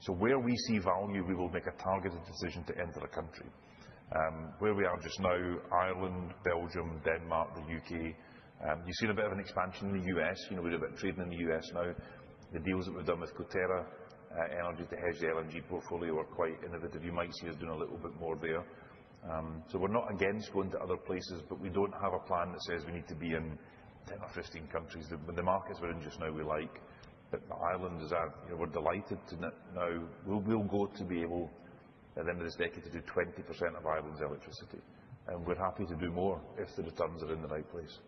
So where we see value, we will make a targeted decision to enter a country. Where we are just now, Ireland, Belgium, Denmark, the U.K. You've seen a bit of an expansion in the U.S. We do a bit of trading in the U.S. now. The deals that we've done with Coterra Energy to hedge the LNG portfolio are quite innovative. You might see us doing a little bit more there. So, we're not against going to other places, but we don't have a plan that says we need to be in 10 or 15 countries. The markets we're in just now, we like. Ireland is our—we're delighted to now. We'll be able at the end of this decade to do 20% of Ireland's electricity. And we're happy to do more if the returns are in the right place.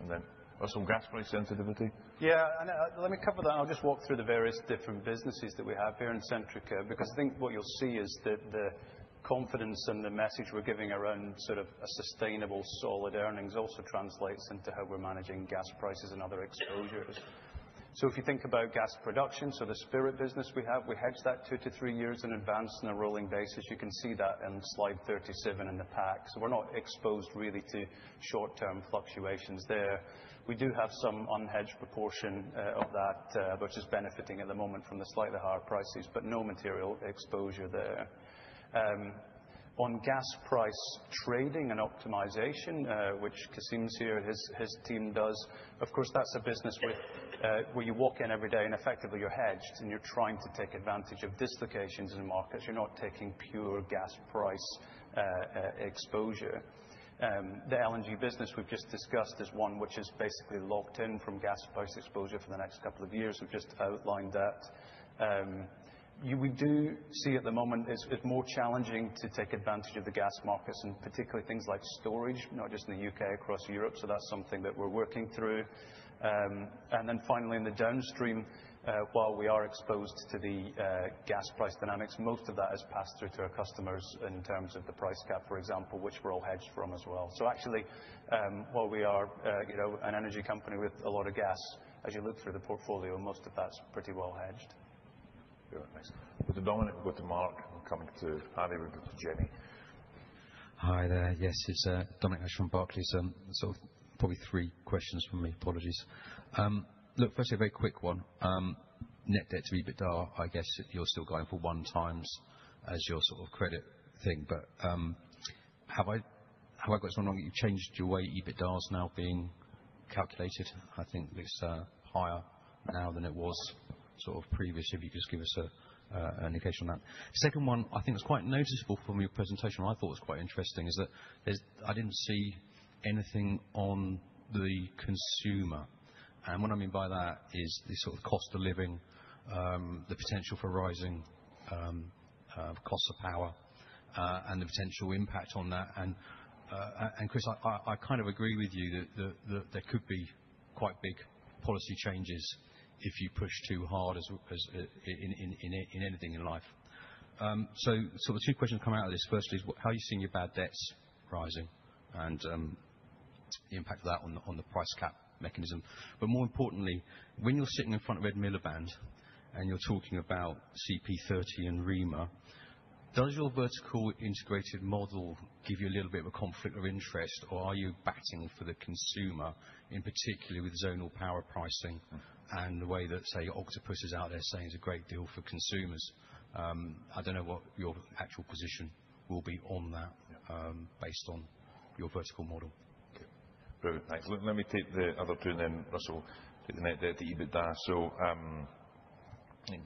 And then Russell, gas price sensitivity? Yeah. And let me cover that. And I'll just walk through the various different businesses that we have here in Centrica. Because I think what you'll see is that the confidence and the message we're giving around sort of a sustainable, solid earnings also translates into how we're managing gas prices and other exposures. So if you think about gas production, so the Spirit business we have, we hedge that two to three years in advance on a rolling basis. You can see that in slide 37 in the pack. So we're not exposed really to short-term fluctuations there. We do have some unhedged proportion of that, which is benefiting at the moment from the slightly higher prices, but no material exposure there. On gas price trading and optimization, which Cassim's here and his team does, of course, that's a business where you walk in every day and effectively you're hedged and you're trying to take advantage of dislocations in the markets. You're not taking pure gas price exposure. The LNG business we've just discussed is one which is basically locked in from gas price exposure for the next couple of years. We've just outlined that. We do see at the moment it's more challenging to take advantage of the gas markets and particularly things like storage, not just in the U.K., across Europe. So that's something that we're working through. And then finally, in the downstream, while we are exposed to the gas price dynamics, most of that is passed through to our customers in terms of the price cap, for example, which we're all hedged from as well. So actually, while we are an energy company with a lot of gas, as you look through the portfolio, most of that's pretty well hedged. Very nice. With the Dominic and with the Mark, we'll come to Ali. We'll go to Jimmy. Hi there. Yes, it's Dominic Nash from Barclays. And sort of probably three questions from me. Apologies. Look, firstly, a very quick one. Net debt to EBITDA, I guess you're still going for one times as your sort of credit thing. But have I got this wrong? You've changed your way EBITDA is now being calculated. I think it's higher now than it was sort of previously. If you could just give us an indication on that. Second one, I think it's quite noticeable from your presentation. I thought it was quite interesting is that I didn't see anything on the consumer. And what I mean by that is the sort of cost of living, the potential for rising costs of power, and the potential impact on that. And Chris, I kind of agree with you that there could be quite big policy changes if you push too hard in anything in life. So the two questions come out of this. Firstly, how are you seeing your bad debts rising and the impact of that on the price cap mechanism? But more importantly, when you're sitting in front of Ed Miliband and you're talking about CP30 and REMA, does your vertically integrated model give you a little bit of a conflict of interest, or are you batting for the consumer, in particular with zonal power pricing and the way that, say, Octopus is out there saying it's a great deal for consumers? I don't know what your actual position will be on that based on your vertical model. Okay. Brilliant. Thanks. Let me take the other two and then Russell take the net debt to EBITDA. So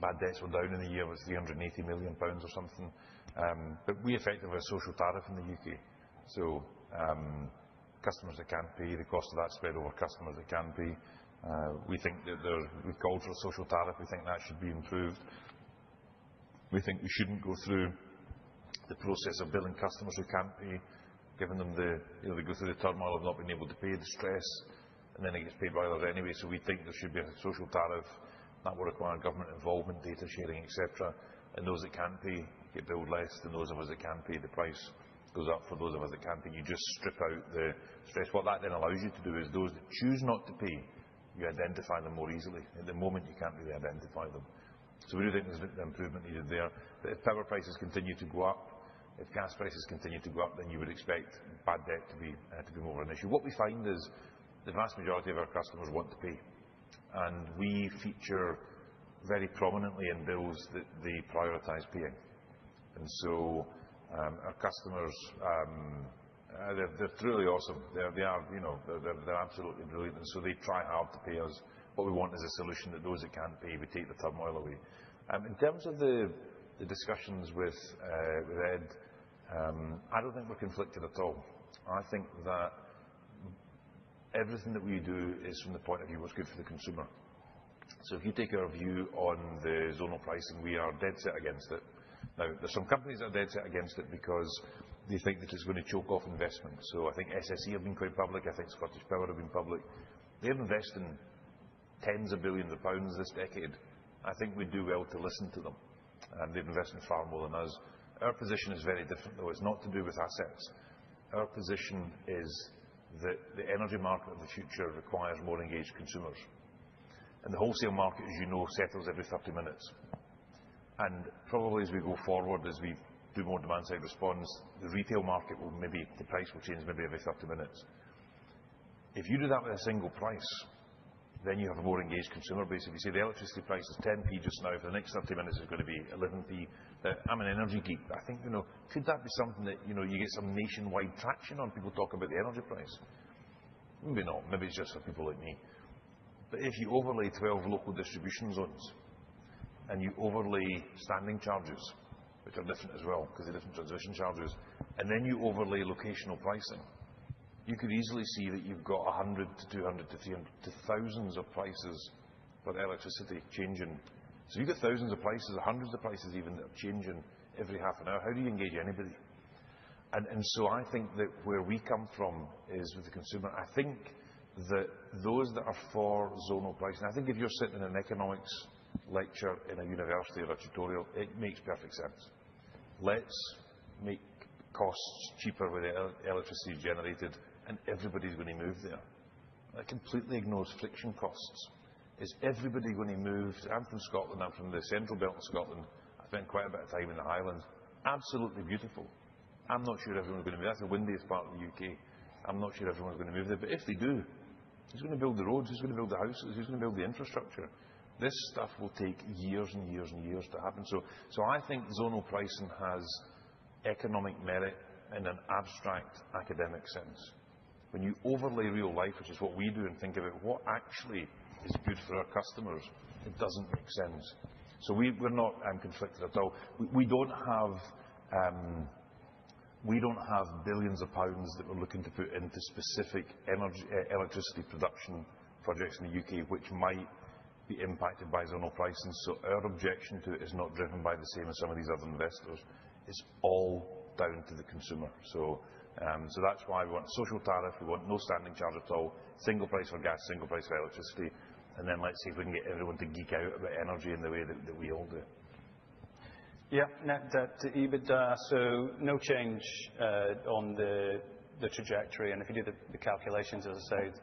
bad debts were down in a year of 380 million pounds or something. But we effected a social tariff in the UK. So customers that can't pay, the cost of that spread over customers that can pay. We think that we've called for a social tariff. We think that should be improved. We think we shouldn't go through the process of billing customers who can't pay, giving them to go through the turmoil of not being able to pay, the stress, and then it gets paid right out of it anyway. So we think there should be a social tariff. That would require government involvement, data sharing, etc. And those that can't pay get billed less than those of us that can pay. The price goes up for those of us that can pay. You just strip out the stress. What that then allows you to do is those that choose not to pay, you identify them more easily. At the moment, you can't really identify them. So we do think there's an improvement needed there. But if power prices continue to go up, if gas prices continue to go up, then you would expect bad debt to be more of an issue. What we find is the vast majority of our customers want to pay. And we feature very prominently in bills that they prioritize paying. And so our customers, they're truly awesome. They're absolutely brilliant. And so they try hard to pay us. What we want is a solution that those that can't pay, we take the turmoil away. In terms of the discussions with Ed, I don't think we're conflicted at all. I think that everything that we do is from the point of view of what's good for the consumer. So if you take our view on the zonal pricing, we are dead set against it. Now, there's some companies that are dead set against it because they think that it's going to choke off investment. I think SSE have been quite public. I think ScottishPower have been public. They've invested tens of billions of pounds this decade. I think we'd do well to listen to them. They've invested far more than us. Our position is very different, though. It's not to do with assets. Our position is that the energy market of the future requires more engaged consumers. The wholesale market, as you know, settles every 30 minutes. Probably as we go forward, as we do more demand-side response, the retail market will maybe the price will change maybe every 30 minutes. If you do that with a single price, then you have a more engaged consumer base. If you say the electricity price is 10p just now, for the next 30 minutes it's going to be 11p. I'm an energy geek. I think, could that be something that you get some nationwide traction on? People talk about the energy price. Maybe not. Maybe it's just for people like me, but if you overlay 12 local distribution zones and you overlay standing charges, which are different as well because they're different transmission charges, and then you overlay locational pricing, you could easily see that you've got 100 to 200 to 300 to thousands of prices for electricity changing, so you get thousands of prices, hundreds of prices even that are changing every half an hour. How do you engage anybody, and so I think that where we come from is with the consumer. I think that those that are for zonal pricing, I think if you're sitting in an economics lecture in a university or a tutorial, it makes perfect sense. Let's make costs cheaper with electricity generated, and everybody's going to move there. I completely ignore friction costs. Is everybody going to move? I'm from Scotland. I'm from the central belt of Scotland. I've spent quite a bit of time in the Highlands. Absolutely beautiful. I'm not sure everyone's going to move. That's the windiest part of the U.K. I'm not sure everyone's going to move there. But if they do, who's going to build the roads? Who's going to build the houses? Who's going to build the infrastructure? This stuff will take years and years and years to happen. So I think zonal pricing has economic merit in an abstract academic sense. When you overlay real life, which is what we do and think about what actually is good for our customers, it doesn't make sense. So I'm not conflicted at all. We don't have billions of pounds that we're looking to put into specific electricity production projects in the U.K., which might be impacted by zonal pricing. So our objection to it is not driven by the same as some of these other investors. It's all down to the consumer. So that's why we want a social tariff. We want no standing charge at all. Single price for gas, single price for electricity. And then let's see if we can get everyone to geek out about energy in the way that we all do. Yeah. Net debt to EBITDA. So no change on the trajectory. If you do the calculations, as I said,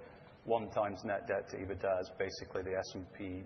one times net debt to EBITDA is basically the S&P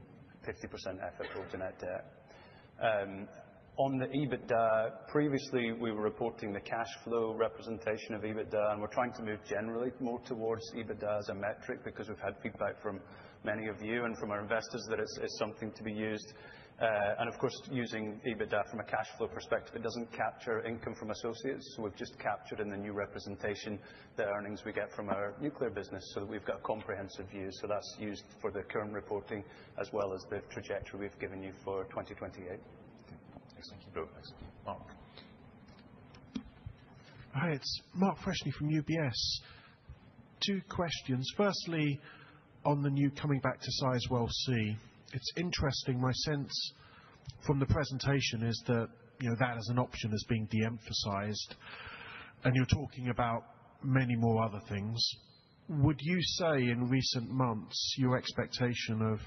50% FFO to net debt. On the EBITDA, previously we were reporting the cash flow representation of EBITDA, and we're trying to move generally more towards EBITDA as a metric because we've had feedback from many of you and from our investors that it's something to be used. And of course, using EBITDA from a cash flow perspective, it doesn't capture income from associates. So we've just captured in the new representation the earnings we get from our nuclear business so that we've got a comprehensive view. So that's used for the current reporting as well as the trajectory we've given you for 2028. Excellent. Keep going. Thanks. Mark. Hi. It's Mark Freshney from UBS. Two questions. Firstly, on the new coming back to Sizewell C. It's interesting. My sense from the presentation is that as an option is being de-emphasized. You're talking about many more other things. Would you say in recent months your expectation of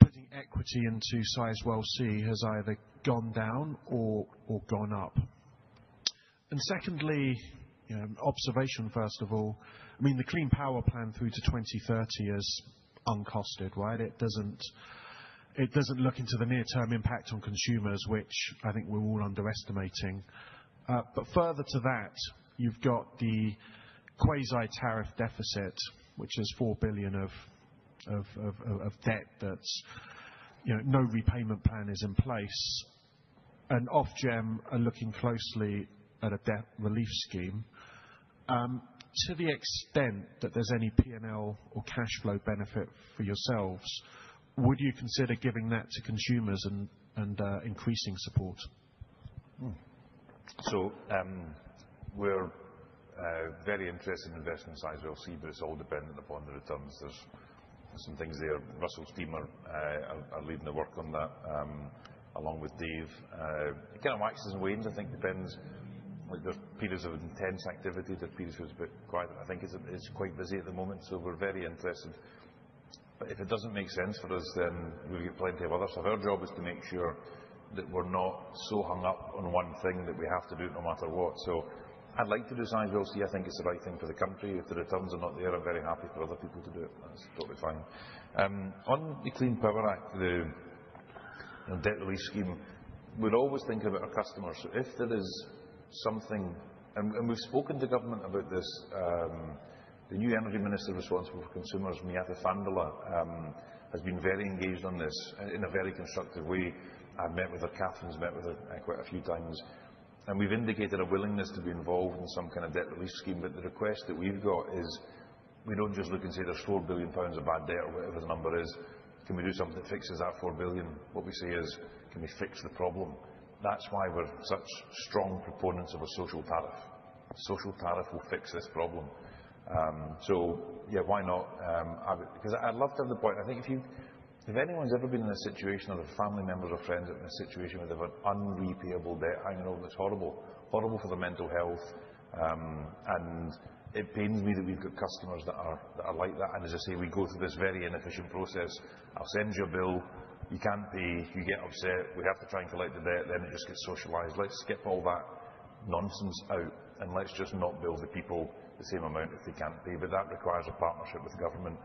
putting equity into Sizewell C has either gone down or gone up? Secondly, observation first of all. I mean, the Clean Power 2030 is uncosted, right? It doesn't look into the near-term impact on consumers, which I think we're all underestimating. Further to that, you've got the quasi-tariff deficit, which is £4 billion of debt that no repayment plan is in place. Ofgem are looking closely at a debt relief scheme. To the extent that there's any P&L or cash flow benefit for yourselves, would you consider giving that to consumers and increasing support? We're very interested in investing in Sizewell C, but it's all dependent upon the returns. There's some things there. Russell's team are leading the work on that along with Dave. Again, it waxes and wanes. I think it depends. There's periods of intense activity. There's periods where it's quiet. I think it's quite busy at the moment. We're very interested. But if it doesn't make sense for us, then we'll get plenty of others. Our job is to make sure that we're not so hung up on one thing that we have to do it no matter what. I'd like to do Sizewell C. I think it's the right thing for the country. If the returns are not there, I'm very happy for other people to do it. That's totally fine. On the Clean Power 2030, the debt relief scheme, we'd always think about our customers. So if there is something, and we've spoken to government about this, the new energy minister responsible for consumers, Miatta Fahnbulleh, has been very engaged on this in a very constructive way. I've met with her. Catherine's met with her quite a few times, and we've indicated a willingness to be involved in some kind of debt relief scheme. But the request that we've got is we don't just look and say there's 4 billion pounds of bad debt or whatever the number is. Can we do something that fixes that 4 billion? What we say is, can we fix the problem? That's why we're such strong proponents of a Social Tariff. Social Tariff will fix this problem. So yeah, why not? Because I'd love to have the point. I think if anyone's ever been in a situation or their family members or friends are in a situation where they've an unrepayable debt. I know that's horrible, horrible for their mental health, and it pains me that we've got customers that are like that, and as I say, we go through this very inefficient process. I'll send you a bill. You can't pay. You get upset. We have to try and collect the debt, then it just gets socialized. Let's skip all that nonsense out and let's just not bill the people the same amount if they can't pay, but that requires a partnership with government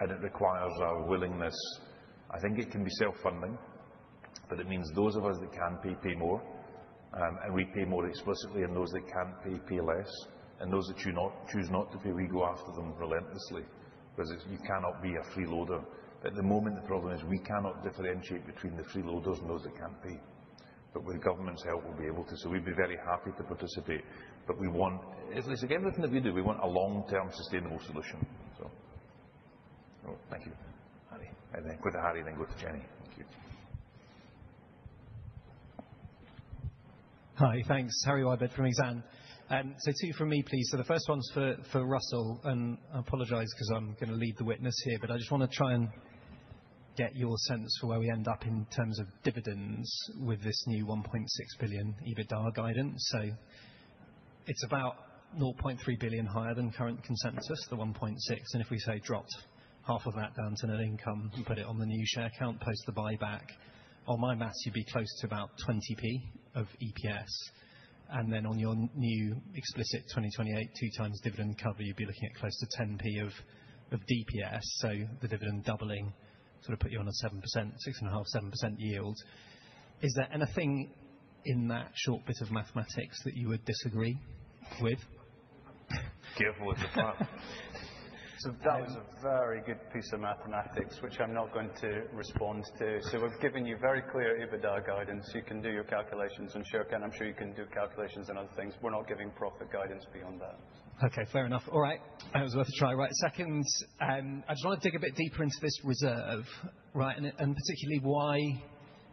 and it requires our willingness. I think it can be self-funding, but it means those of us that can pay pay more, and we pay more explicitly, and those that can't pay pay less. And those that choose not to pay, we go after them relentlessly. Because you cannot be a freeloader. But at the moment, the problem is we cannot differentiate between the freeloaders and those that can't pay. But with government's help, we'll be able to. So we'd be very happy to participate. But we want, at least with everything that we do, we want a long-term sustainable solution. So thank you. Quick to Harry and then go to Jenny. Thank you. Hi. Thanks. Harry Wyburd from Exane. So two from me, please. So the first one's for Russell. And I apologize because I'm going to lead the witness here, but I just want to try and get your sense for where we end up in terms of dividends with this new 1.6 billion EBITDA guidance. So it's about 0.3 billion higher than current consensus, the 1.6. And if we say dropped half of that down to net income and put it on the new share count, post the buyback, on my math, you'd be close to about 20p of EPS. And then on your new explicit 2028 two-times dividend cover, you'd be looking at close to 10p of DPS. So the dividend doubling sort of put you on a 7%, 6.5%, 7% yield. Is there anything in that short bit of mathematics that you would disagree with? Careful with the plan. So that was a very good piece of mathematics, which I'm not going to respond to. So we've given you very clear EBITDA guidance. You can do your calculations and so can. I'm sure you can do calculations and other things. We're not giving profit guidance beyond that. Okay. Fair enough. All right. It was worth a try. Right. Second, I just want to dig a bit deeper into this reserve, right? And particularly why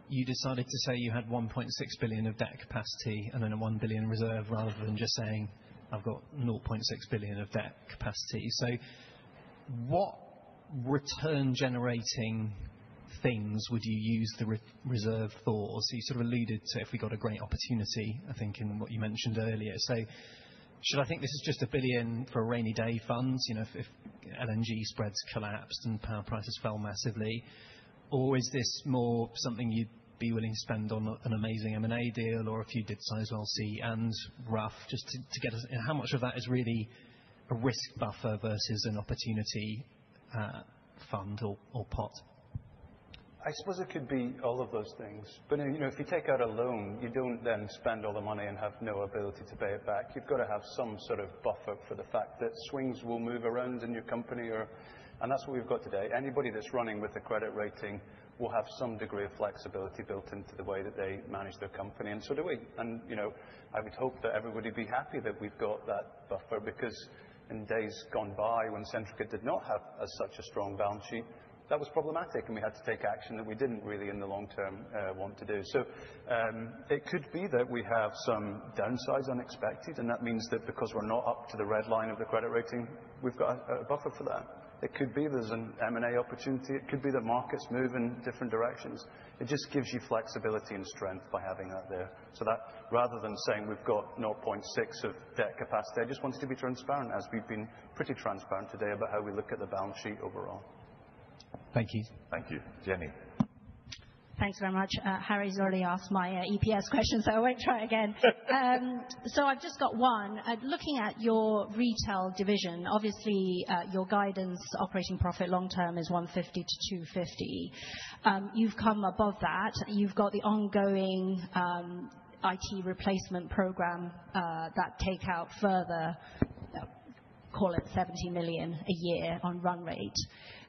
you decided to say you had 1.6 billion of debt capacity and then a 1 billion reserve rather than just saying, "I've got 0.6 billion of debt capacity." So what return-generating things would you use the reserve for? So you sort of alluded to if we got a great opportunity, I think, in what you mentioned earlier. So should I think this is just a billion for rainy day funds if LNG spreads collapsed and power prices fell massively? Or is this more something you'd be willing to spend on an amazing M&A deal or a few bid Sizewell C and Rough just to get us in? How much of that is really a risk buffer versus an opportunity fund or pot? I suppose it could be all of those things. But if you take out a loan, you don't then spend all the money and have no ability to pay it back. You've got to have some sort of buffer for the fact that swings will move around in your company. And that's what we've got today. Anybody that's running with a credit rating will have some degree of flexibility built into the way that they manage their company. And so do we. And I would hope that everybody would be happy that we've got that buffer because in days gone by when Centrica did not have such a strong balance sheet, that was problematic. And we had to take action that we didn't really in the long term want to do. So it could be that we have some downsides unexpected. That means that because we're not up to the red line of the credit rating, we've got a buffer for that. It could be there's an M&A opportunity. It could be that markets move in different directions. It just gives you flexibility and strength by having that there. So rather than saying we've got 0.6 of debt capacity, I just wanted to be transparent as we've been pretty transparent today about how we look at the balance sheet overall. Thank you. Thank you. Jenny. Thanks very much. Harry's already asked my EPS question, so I won't try again. So I've just got one. Looking at your retail division, obviously your guidance operating profit long term is £150 million-£250 million. You've come above that. You've got the ongoing IT replacement program that take out further, call it £70 million a year on run rate.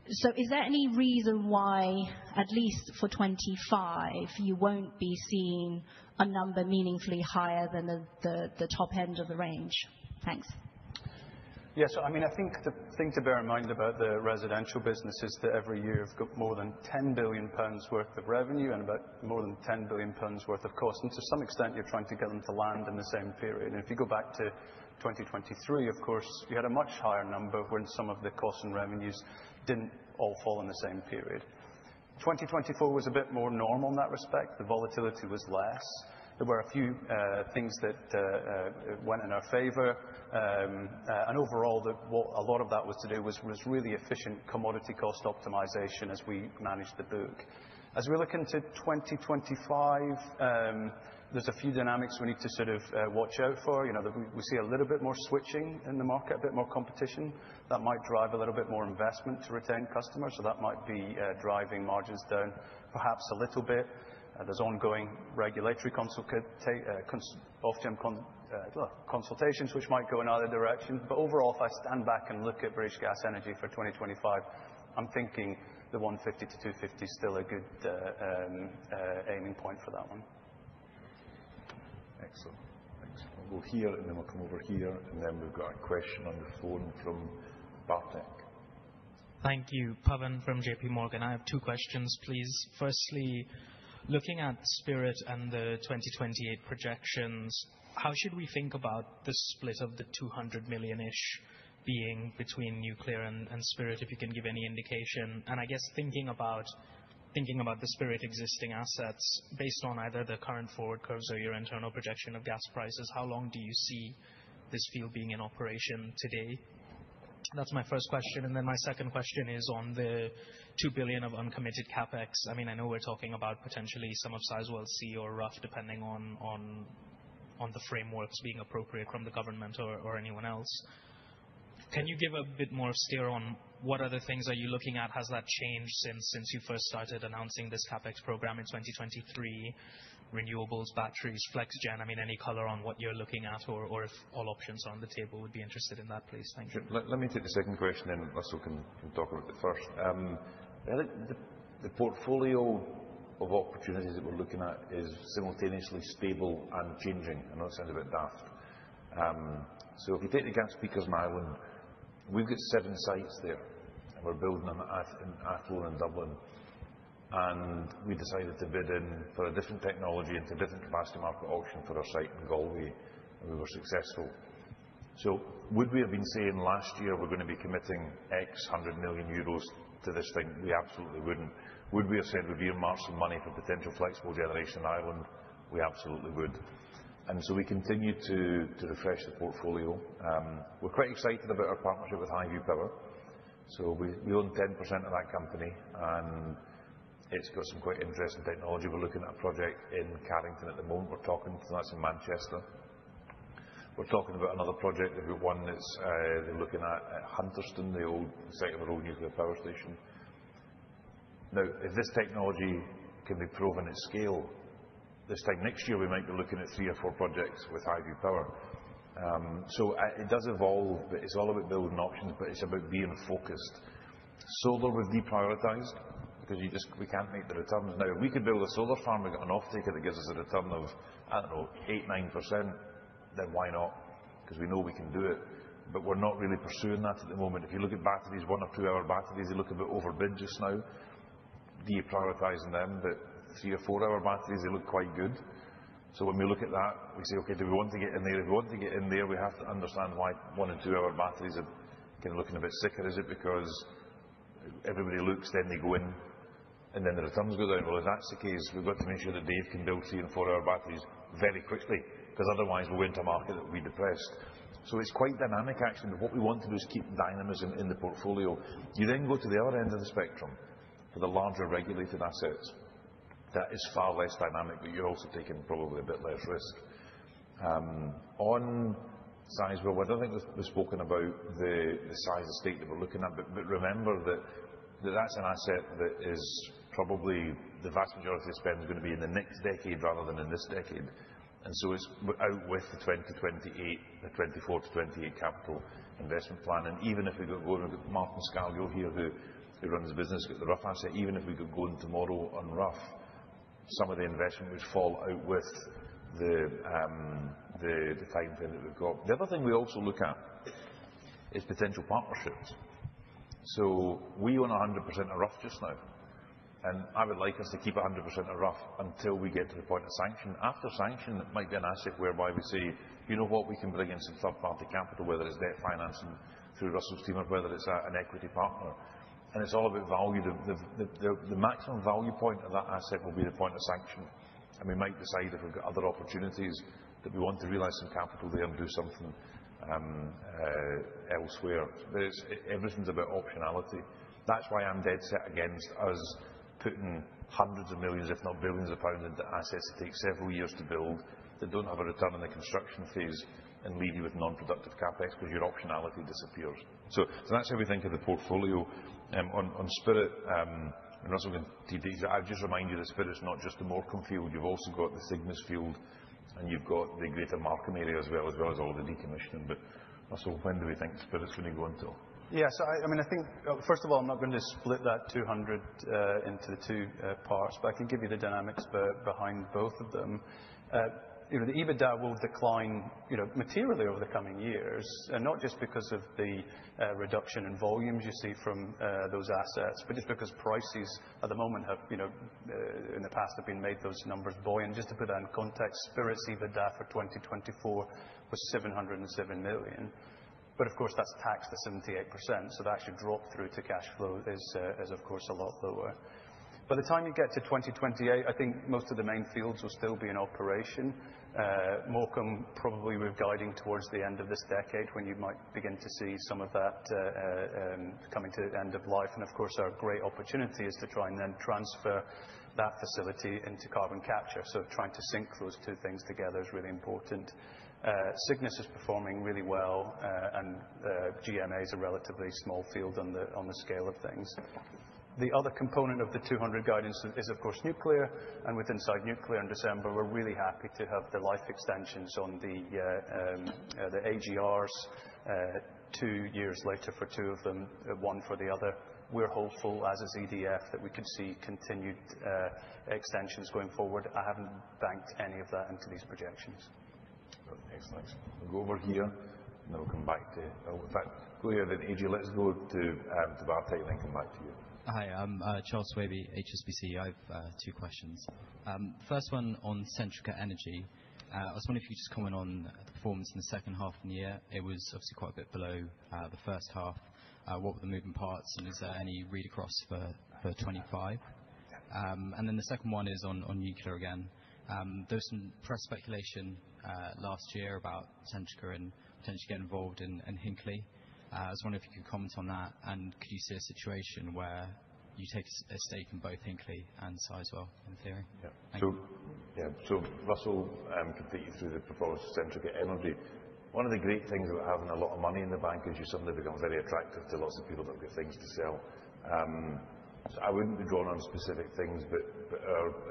So is there any reason why, at least for 25, you won't be seeing a number meaningfully higher than the top end of the range? Thanks. Yeah. So I mean, I think the thing to bear in mind about the residential business is that every year you've got more than 10 billion pounds worth of revenue and about more than 10 billion pounds worth of cost. And to some extent, you're trying to get them to land in the same period. And if you go back to 2023, of course, you had a much higher number when some of the costs and revenues didn't all fall in the same period. 2024 was a bit more normal in that respect. The volatility was less. There were a few things that went in our favor. And overall, a lot of that was to do with really efficient commodity cost optimization as we managed the book. As we're looking to 2025, there's a few dynamics we need to sort of watch out for. We see a little bit more switching in the market, a bit more competition. That might drive a little bit more investment to retain customers. So that might be driving margins down perhaps a little bit. There's ongoing regulatory Ofgem consultations which might go in either direction. But overall, if I stand back and look at British Gas Energy for 2025, I'm thinking the 150 to 250 is still a good aiming point for that one. Excellent. Thanks. We'll hear and then we'll come over here. And then we've got a question on the phone from Bartek. Thank you. Pavan from JP Morgan. I have two questions, please. Firstly, looking at Spirit and the 2028 projections, how should we think about the split of the £200 million-ish being between nuclear and Spirit, if you can give any indication? And I guess thinking about the Spirit existing assets based on either the current forward curves or your internal projection of gas prices, how long do you see this field being in operation today? That's my first question. And then my second question is on the £2 billion of uncommitted CapEx. I mean, I know we're talking about potentially some of Sizewell C or Rough depending on the frameworks being appropriate from the government or anyone else. Can you give a bit more steer on what other things are you looking at? Has that changed since you first started announcing this CapEx program in 2023? Renewables, batteries, flex gen, I mean, any color on what you're looking at or if all options are on the table would be interested in that, please. Thank you. Let me take the second question and Russell can talk about it first. The portfolio of opportunities that we're looking at is simultaneously stable and changing. I know it sounds a bit daft. So if you take the gas speakers in Ireland, we've got seven sites there. And we're building them in Athlone and Dublin. And we decided to bid in for a different technology into a different capacity market auction for our site in Galway. And we were successful. So would we have been saying last year we're going to be committing EUR X hundred million to this thing? We absolutely wouldn't. Would we have said we'd be in material money for potential flexible generation in Ireland? We absolutely would. And so we continue to refresh the portfolio. We're quite excited about our partnership with Highview Power. So we own 10% of that company. And it's got some quite interesting technology. We're looking at a project in Carrington at the moment. We're talking about that; that's in Manchester. We're talking about another project that we've won. They're looking at Hunterston, the site of our old nuclear power station. Now, if this technology can be proven at scale, this time next year, we might be looking at three or four projects with Highview Power. So it does evolve, but it's all about building options, but it's about being focused. Solar was deprioritized because we can't make the returns. Now, if we could build a solar farm, we've got an off-taker that gives us a return of, I don't know, 8%, 9%, then why not? Because we know we can do it. But we're not really pursuing that at the moment. If you look at batteries, one- or two-hour batteries, they look a bit overbid just now. Deprioritizing them, but three- or four-hour batteries, they look quite good. So when we look at that, we say, okay, do we want to get in there? If we want to get in there, we have to understand why one- and two-hour batteries are kind of looking a bit sicker. Is it because everybody looks, then they go in, and then the returns go down? Well, if that's the case, we've got to make sure that Dave can build three- and four-hour batteries very quickly. Because otherwise, we'll go into a market that will be depressed. So it's quite dynamic, actually. But what we want to do is keep dynamism in the portfolio. You then go to the other end of the spectrum for the larger regulated assets. That is far less dynamic, but you're also taking probably a bit less risk. On size, well, I don't think we've spoken about the size of stake that we're looking at. But remember that that's an asset that is probably the vast majority of spend is going to be in the next decade rather than in this decade. And so it's out with the 2028, the 24-28 capital investment plan. And even if we go to Martin Scargill here, who runs the business, got the Rough asset, even if we go going tomorrow on Rough, some of the investment would fall out with the timeframe that we've got. The other thing we also look at is potential partnerships. So we own 100% of Rough just now. I would like us to keep 100% of Rough until we get to the point of sanction. After sanction, it might be an asset whereby we say, you know what, we can bring in some third-party capital, whether it's debt financing through Russell's team or whether it's an equity partner. And it's all about value. The maximum value point of that asset will be the point of sanction. And we might decide if we've got other opportunities that we want to realize some capital there and do something elsewhere. Everything's about optionality. That's why I'm dead set against us putting hundreds of millions, if not billions of pounds into assets that take several years to build, that don't have a return in the construction phase and leave you with non-productive CapEx because your optionality disappears. So that's how we think of the portfolio. On Spirit, Russell, can you tease it. I've just reminded you that Spirit's not just the Morecambe field. You've also got the Cygnus field. And you've got the Greater Markham Area as well, as well as all of the decommissioning. But Russell, when do we think Spirit's going to go into? Yeah. So I mean, I think, first of all, I'm not going to split that 200 into the two parts, but I can give you the dynamics behind both of them. The EBITDA will decline materially over the coming years, not just because of the reduction in volumes you see from those assets, but just because prices at the moment have, in the past, been made those numbers buoyant. Just to put that in context, Spirit's EBITDA for 2024 was £707 million. But of course, that's taxed at 78%. So the actual drop through to cash flow is, of course, a lot lower. By the time you get to 2028, I think most of the main fields will still be in operation. Morecambe, probably we're guiding towards the end of this decade when you might begin to see some of that coming to the end of life. And of course, our great opportunity is to try and then transfer that facility into carbon capture. So trying to sync those two things together is really important. Cygnus is performing really well. And GMA is a relatively small field on the scale of things. The other component of the 200 guidance is, of course, nuclear. And with Sizewell nuclear in December, we're really happy to have the life extensions on the AGRs two years later for two of them, one year for the other. We're hopeful, as is EDF, that we could see continued extensions going forward. I haven't banked any of that into these projections. Excellent. We'll go over here. And then we'll come back to go ahead and AJ, let's go to Bartek and then come back to you. Hi, I'm Charles Swabey, HSBC. I have two questions. First one on Centrica Energy. I was wondering if you could just comment on the performance in the second half of the year. It was obviously quite a bit below the first half. What were the moving parts? And is there any read across for 25? And then the second one is on nuclear again. There was some press speculation last year about Centrica and potentially getting involved in Hinkley. I was wondering if you could comment on that. And could you see a situation where you take a stake in both Hinkley and Sizewell in theory? Yeah. So Russell put the proposal through to Centrica Energy. One of the great things about having a lot of money in the bank is you suddenly become very attractive to lots of people that have good things to sell. So I wouldn't be drawn on specific things, but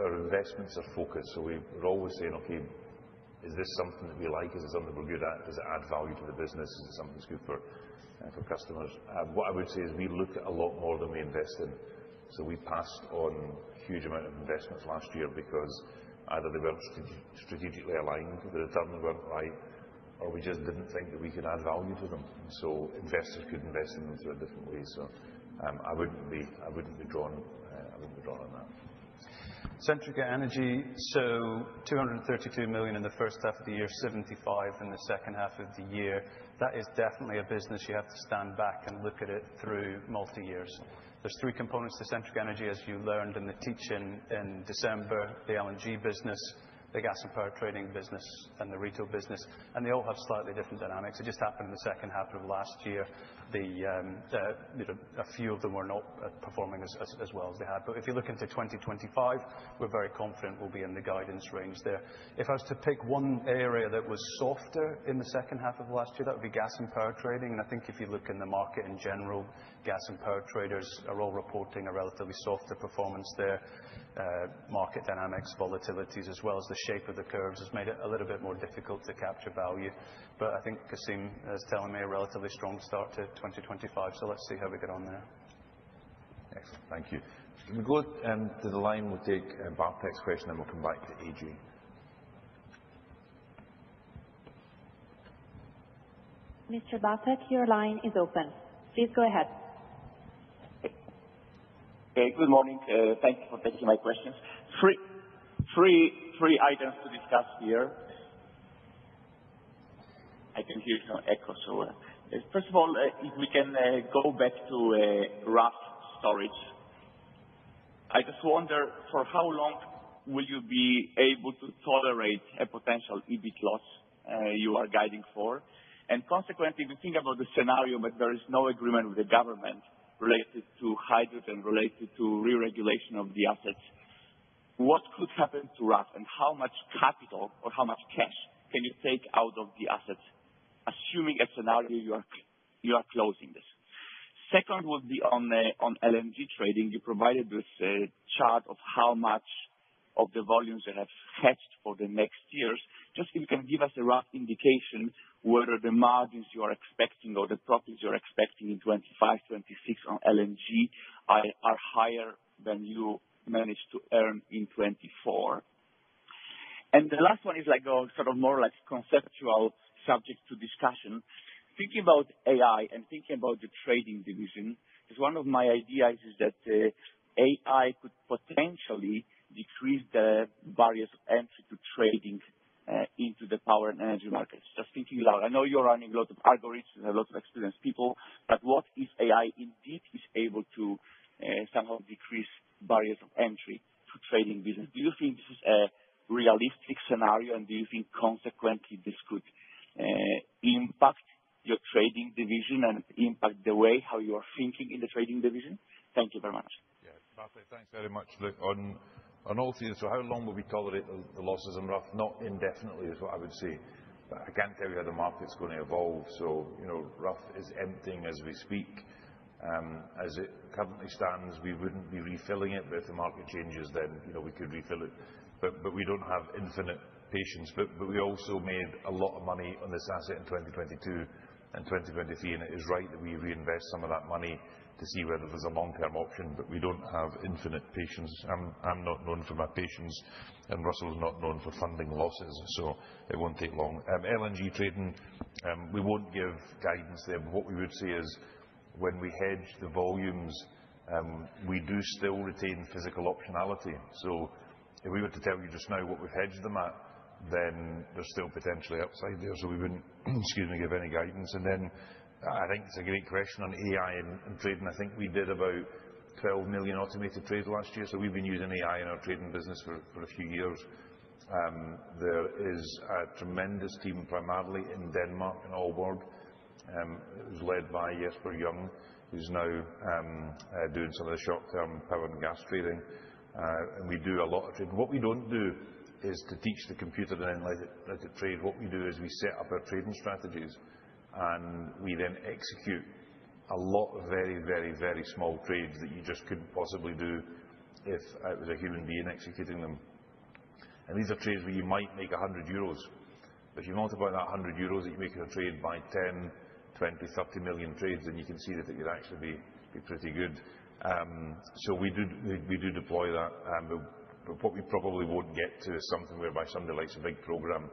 our investments are focused. So we're always saying, okay, is this something that we like? Is it something we're good at? Does it add value to the business? Is it something that's good for customers? What I would say is we look a lot more than we invest in. So we passed on a huge amount of investments last year because either they weren't strategically aligned, the returns weren't right, or we just didn't think that we could add value to them. So investors could invest in them through a different way. So I wouldn't be drawn on that. Centrica Energy, so £232 million in the first half of the year, £75 million in the second half of the year. That is definitely a business you have to stand back and look at it through multi-years. There's three components to Centrica Energy, as you learned in the teaching in December, the LNG business, the gas and power trading business, and the retail business. And they all have slightly different dynamics. It just happened in the second half of last year. A few of them were not performing as well as they had. But if you look into 2025, we're very confident we'll be in the guidance range there. If I was to pick one area that was softer in the second half of last year, that would be gas and power trading. And I think if you look in the market in general, gas and power traders are all reporting a relatively softer performance there. Market dynamics, volatilities, as well as the shape of the curves has made it a little bit more difficult to capture value. But I think Cassim is telling me a relatively strong start to 2025. So let's see how we get on there. Excellent. Thank you. Can we go to the line? We'll take Bartek's question and we'll come back to AJ. Mr. Bartek, your line is open. Please go ahead. Okay. Good morning. Thank you for taking my questions. Three items to discuss here. I can hear some echo. So first of all, if we can go back to Rough storage, I just wonder for how long will you be able to tolerate a potential EBIT loss you are guiding for? Consequently, if you think about the scenario that there is no agreement with the government related to hydrogen and related to re-regulation of the assets, what could happen to Rough and how much capital or how much cash can you take out of the assets, assuming a scenario you are closing this? Second would be on LNG trading. You provided this chart of how much of the volumes you have hedged for the next years. Just if you can give us a rough indication whether the margins you are expecting or the profits you are expecting in 2025, 2026 on LNG are higher than you managed to earn in 2024. And the last one is sort of more like conceptual subject to discussion. Thinking about AI and thinking about the trading division, one of my ideas is that AI could potentially decrease the barriers of entry to trading into the power and energy markets. Just thinking about it, I know you're running a lot of algorithms and a lot of experienced people, but what if AI indeed is able to somehow decrease barriers of entry to trading business? Do you think this is a realistic scenario, and do you think consequently this could impact your trading division and impact the way how you are thinking in the trading division? Thank you very much. Yeah. Bartek, thanks very much. Look, on all things, so how long will we tolerate the losses in Rough? Not indefinitely is what I would say. But I can't tell you how the market's going to evolve, so Rough is emptying as we speak. As it currently stands, we wouldn't be refilling it, but if the market changes, then we could refill it, but we don't have infinite patience. But we also made a lot of money on this asset in 2022 and 2023, and it is right that we reinvest some of that money to see whether there's a long-term option, but we don't have infinite patience. I'm not known for my patience, and Russell is not known for funding losses, so it won't take long. LNG trading, we won't give guidance there, but what we would say is when we hedge the volumes, we do still retain physical optionality. So if we were to tell you just now what we've hedged them at, then they're still potentially upside there, so we wouldn't, excuse me, give any guidance, and then I think it's a great question on AI and trading. I think we did about 12 million automated trades last year, so we've been using AI in our trading business for a few years. There is a tremendous team, primarily in Denmark and Aalborg. It was led by Jesper Jung, who's now doing some of the short-term power and gas trading, and we do a lot of trading. What we don't do is to teach the computer to then let it trade. What we do is we set up our trading strategies, and we then execute a lot of very, very, very small trades that you just couldn't possibly do if it was a human being executing them. These are trades where you might make 100 euros, but if you multiply that 100 euros that you make in a trade by 10, 20, 30 million trades, then you can see that it could actually be pretty good. So we do deploy that. But what we probably won't get to is something whereby somebody likes a big program.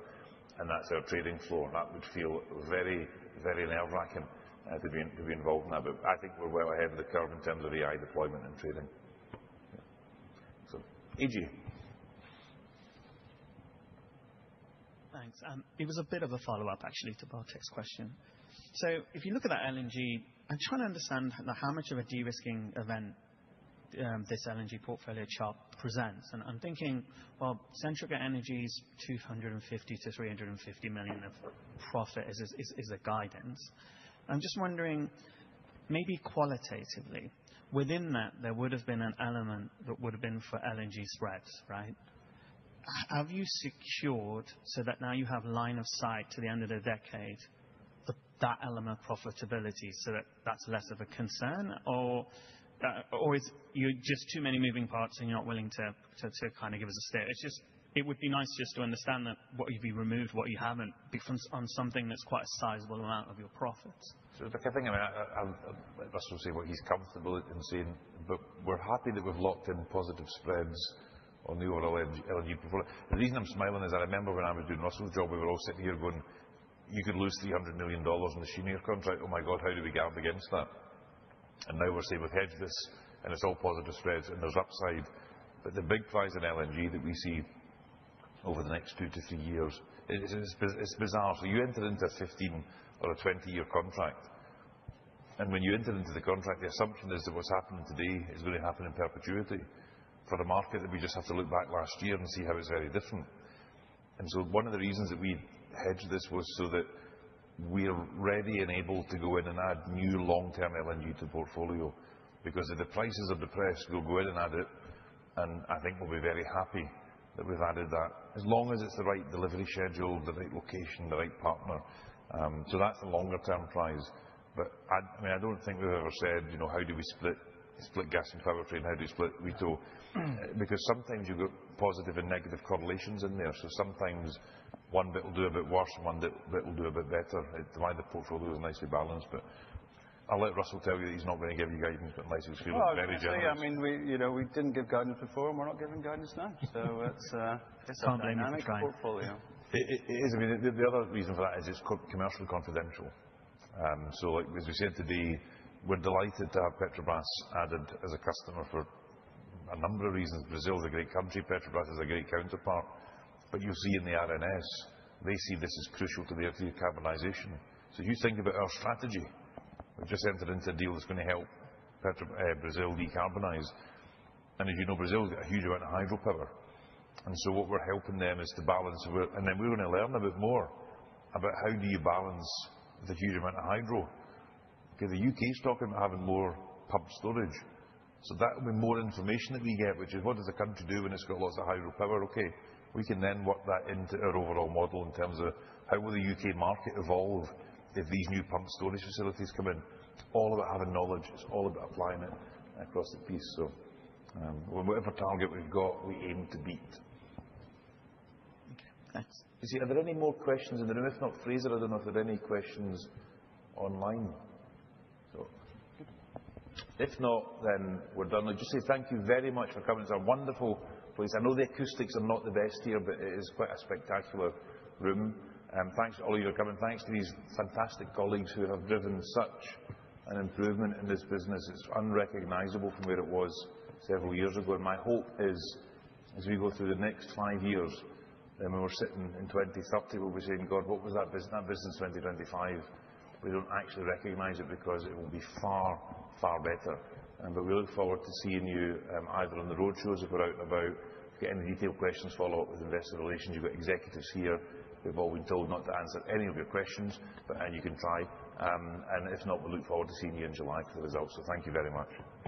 And that's our trading floor. And that would feel very, very nerve-wracking to be involved in that. But I think we're well ahead of the curve in terms of AI deployment and trading. Excellent. AJ. Thanks. It was a bit of a follow-up, actually, to Bartek's question. So if you look at that LNG, I'm trying to understand how much of a de-risking event this LNG portfolio chart presents. And I'm thinking, well, Centrica Energy's 250 million-350 million of profit is a guidance. I'm just wondering, maybe qualitatively, within that, there would have been an element that would have been for LNG spreads, right? Have you secured so that now you have line of sight to the end of the decade, that element of profitability so that that's less of a concern? Or is it just too many moving parts and you're not willing to kind of give us a steer? It would be nice just to understand that what you've removed, what you haven't, on something that's quite a sizable amount of your profits. So the thing about Russell saying what he's comfortable in saying, but we're happy that we've locked in positive spreads on the overall LNG portfolio. The reason I'm smiling is I remember when I was doing Russell's job, we were all sitting here going, you could lose $300 million on the Cheniere contract. Oh my God, how do we hedge against that? And now we're saying we've hedged this and it's all positive spreads and there's upside. But the big prize in LNG that we see over the next two to three years, it's bizarre. So you enter into a 15 or a 20-year contract. And when you enter into the contract, the assumption is that what's happening today is going to happen in perpetuity for the market. That we just have to look back last year and see how it's very different. And so one of the reasons that we hedged this was so that we're ready and able to go in and add new long-term LNG to the portfolio because if the prices are depressed, we'll go in and add it. And I think we'll be very happy that we've added that as long as it's the right delivery schedule, the right location, the right partner. So that's the longer-term prize. But I mean, I don't think we've ever said, how do we split gas and power trade and how do we split retail? Because sometimes you've got positive and negative correlations in there. So sometimes one bit will do a bit worse and one bit will do a bit better. The way the portfolio is nicely balanced. But I'll let Russell tell you that he's not going to give you guidance, but unless he feels very generous. I would say, I mean, we didn't give guidance before. We're not giving guidance now. So it's a managed portfolio. It is. I mean, the other reason for that is it's commercially confidential. So as we said today, we're delighted to have Petrobras added as a customer for a number of reasons. Brazil is a great country. Petrobras is a great counterpart. but you'll see in the R&S, they see this as crucial to their decarbonization. So if you think about our strategy, we've just entered into a deal that's going to help Brazil decarbonize. and as you know, Brazil has got a huge amount of hydro power. and so what we're helping them is to balance. and then we're going to learn a bit more about how do you balance the huge amount of hydro? Okay, the U.K. is talking about having more pumped storage. so that will be more information that we get, which is what does the country do when it's got lots of hydro power? Okay, we can then work that into our overall model in terms of how will the U.K. market evolve if these new pumped storage facilities come in. It's all about having knowledge. It's all about applying it across the piece. So whatever target we've got, we aim to beat. Okay. Thanks. Is there any more questions in the room? If not, Fraser, I don't know if there are any questions online. So if not, then we're done. I just say thank you very much for coming. It's a wonderful place. I know the acoustics are not the best here, but it is quite a spectacular room. Thanks to all of you for coming. Thanks to these fantastic colleagues who have driven such an improvement in this business. It's unrecognizable from where it was several years ago. And my hope is, as we go through the next five years, when we're sitting in 2030, we'll be saying, "God, what was that business in 2025?" We don't actually recognize it because it will be far, far better. But we look forward to seeing you either on the roadshows if we're out and about, get any detailed questions, follow up with investor relations. You've got executives here. We've all been told not to answer any of your questions, but you can try. And if not, we'll look forward to seeing you in July for the results. So thank you very much.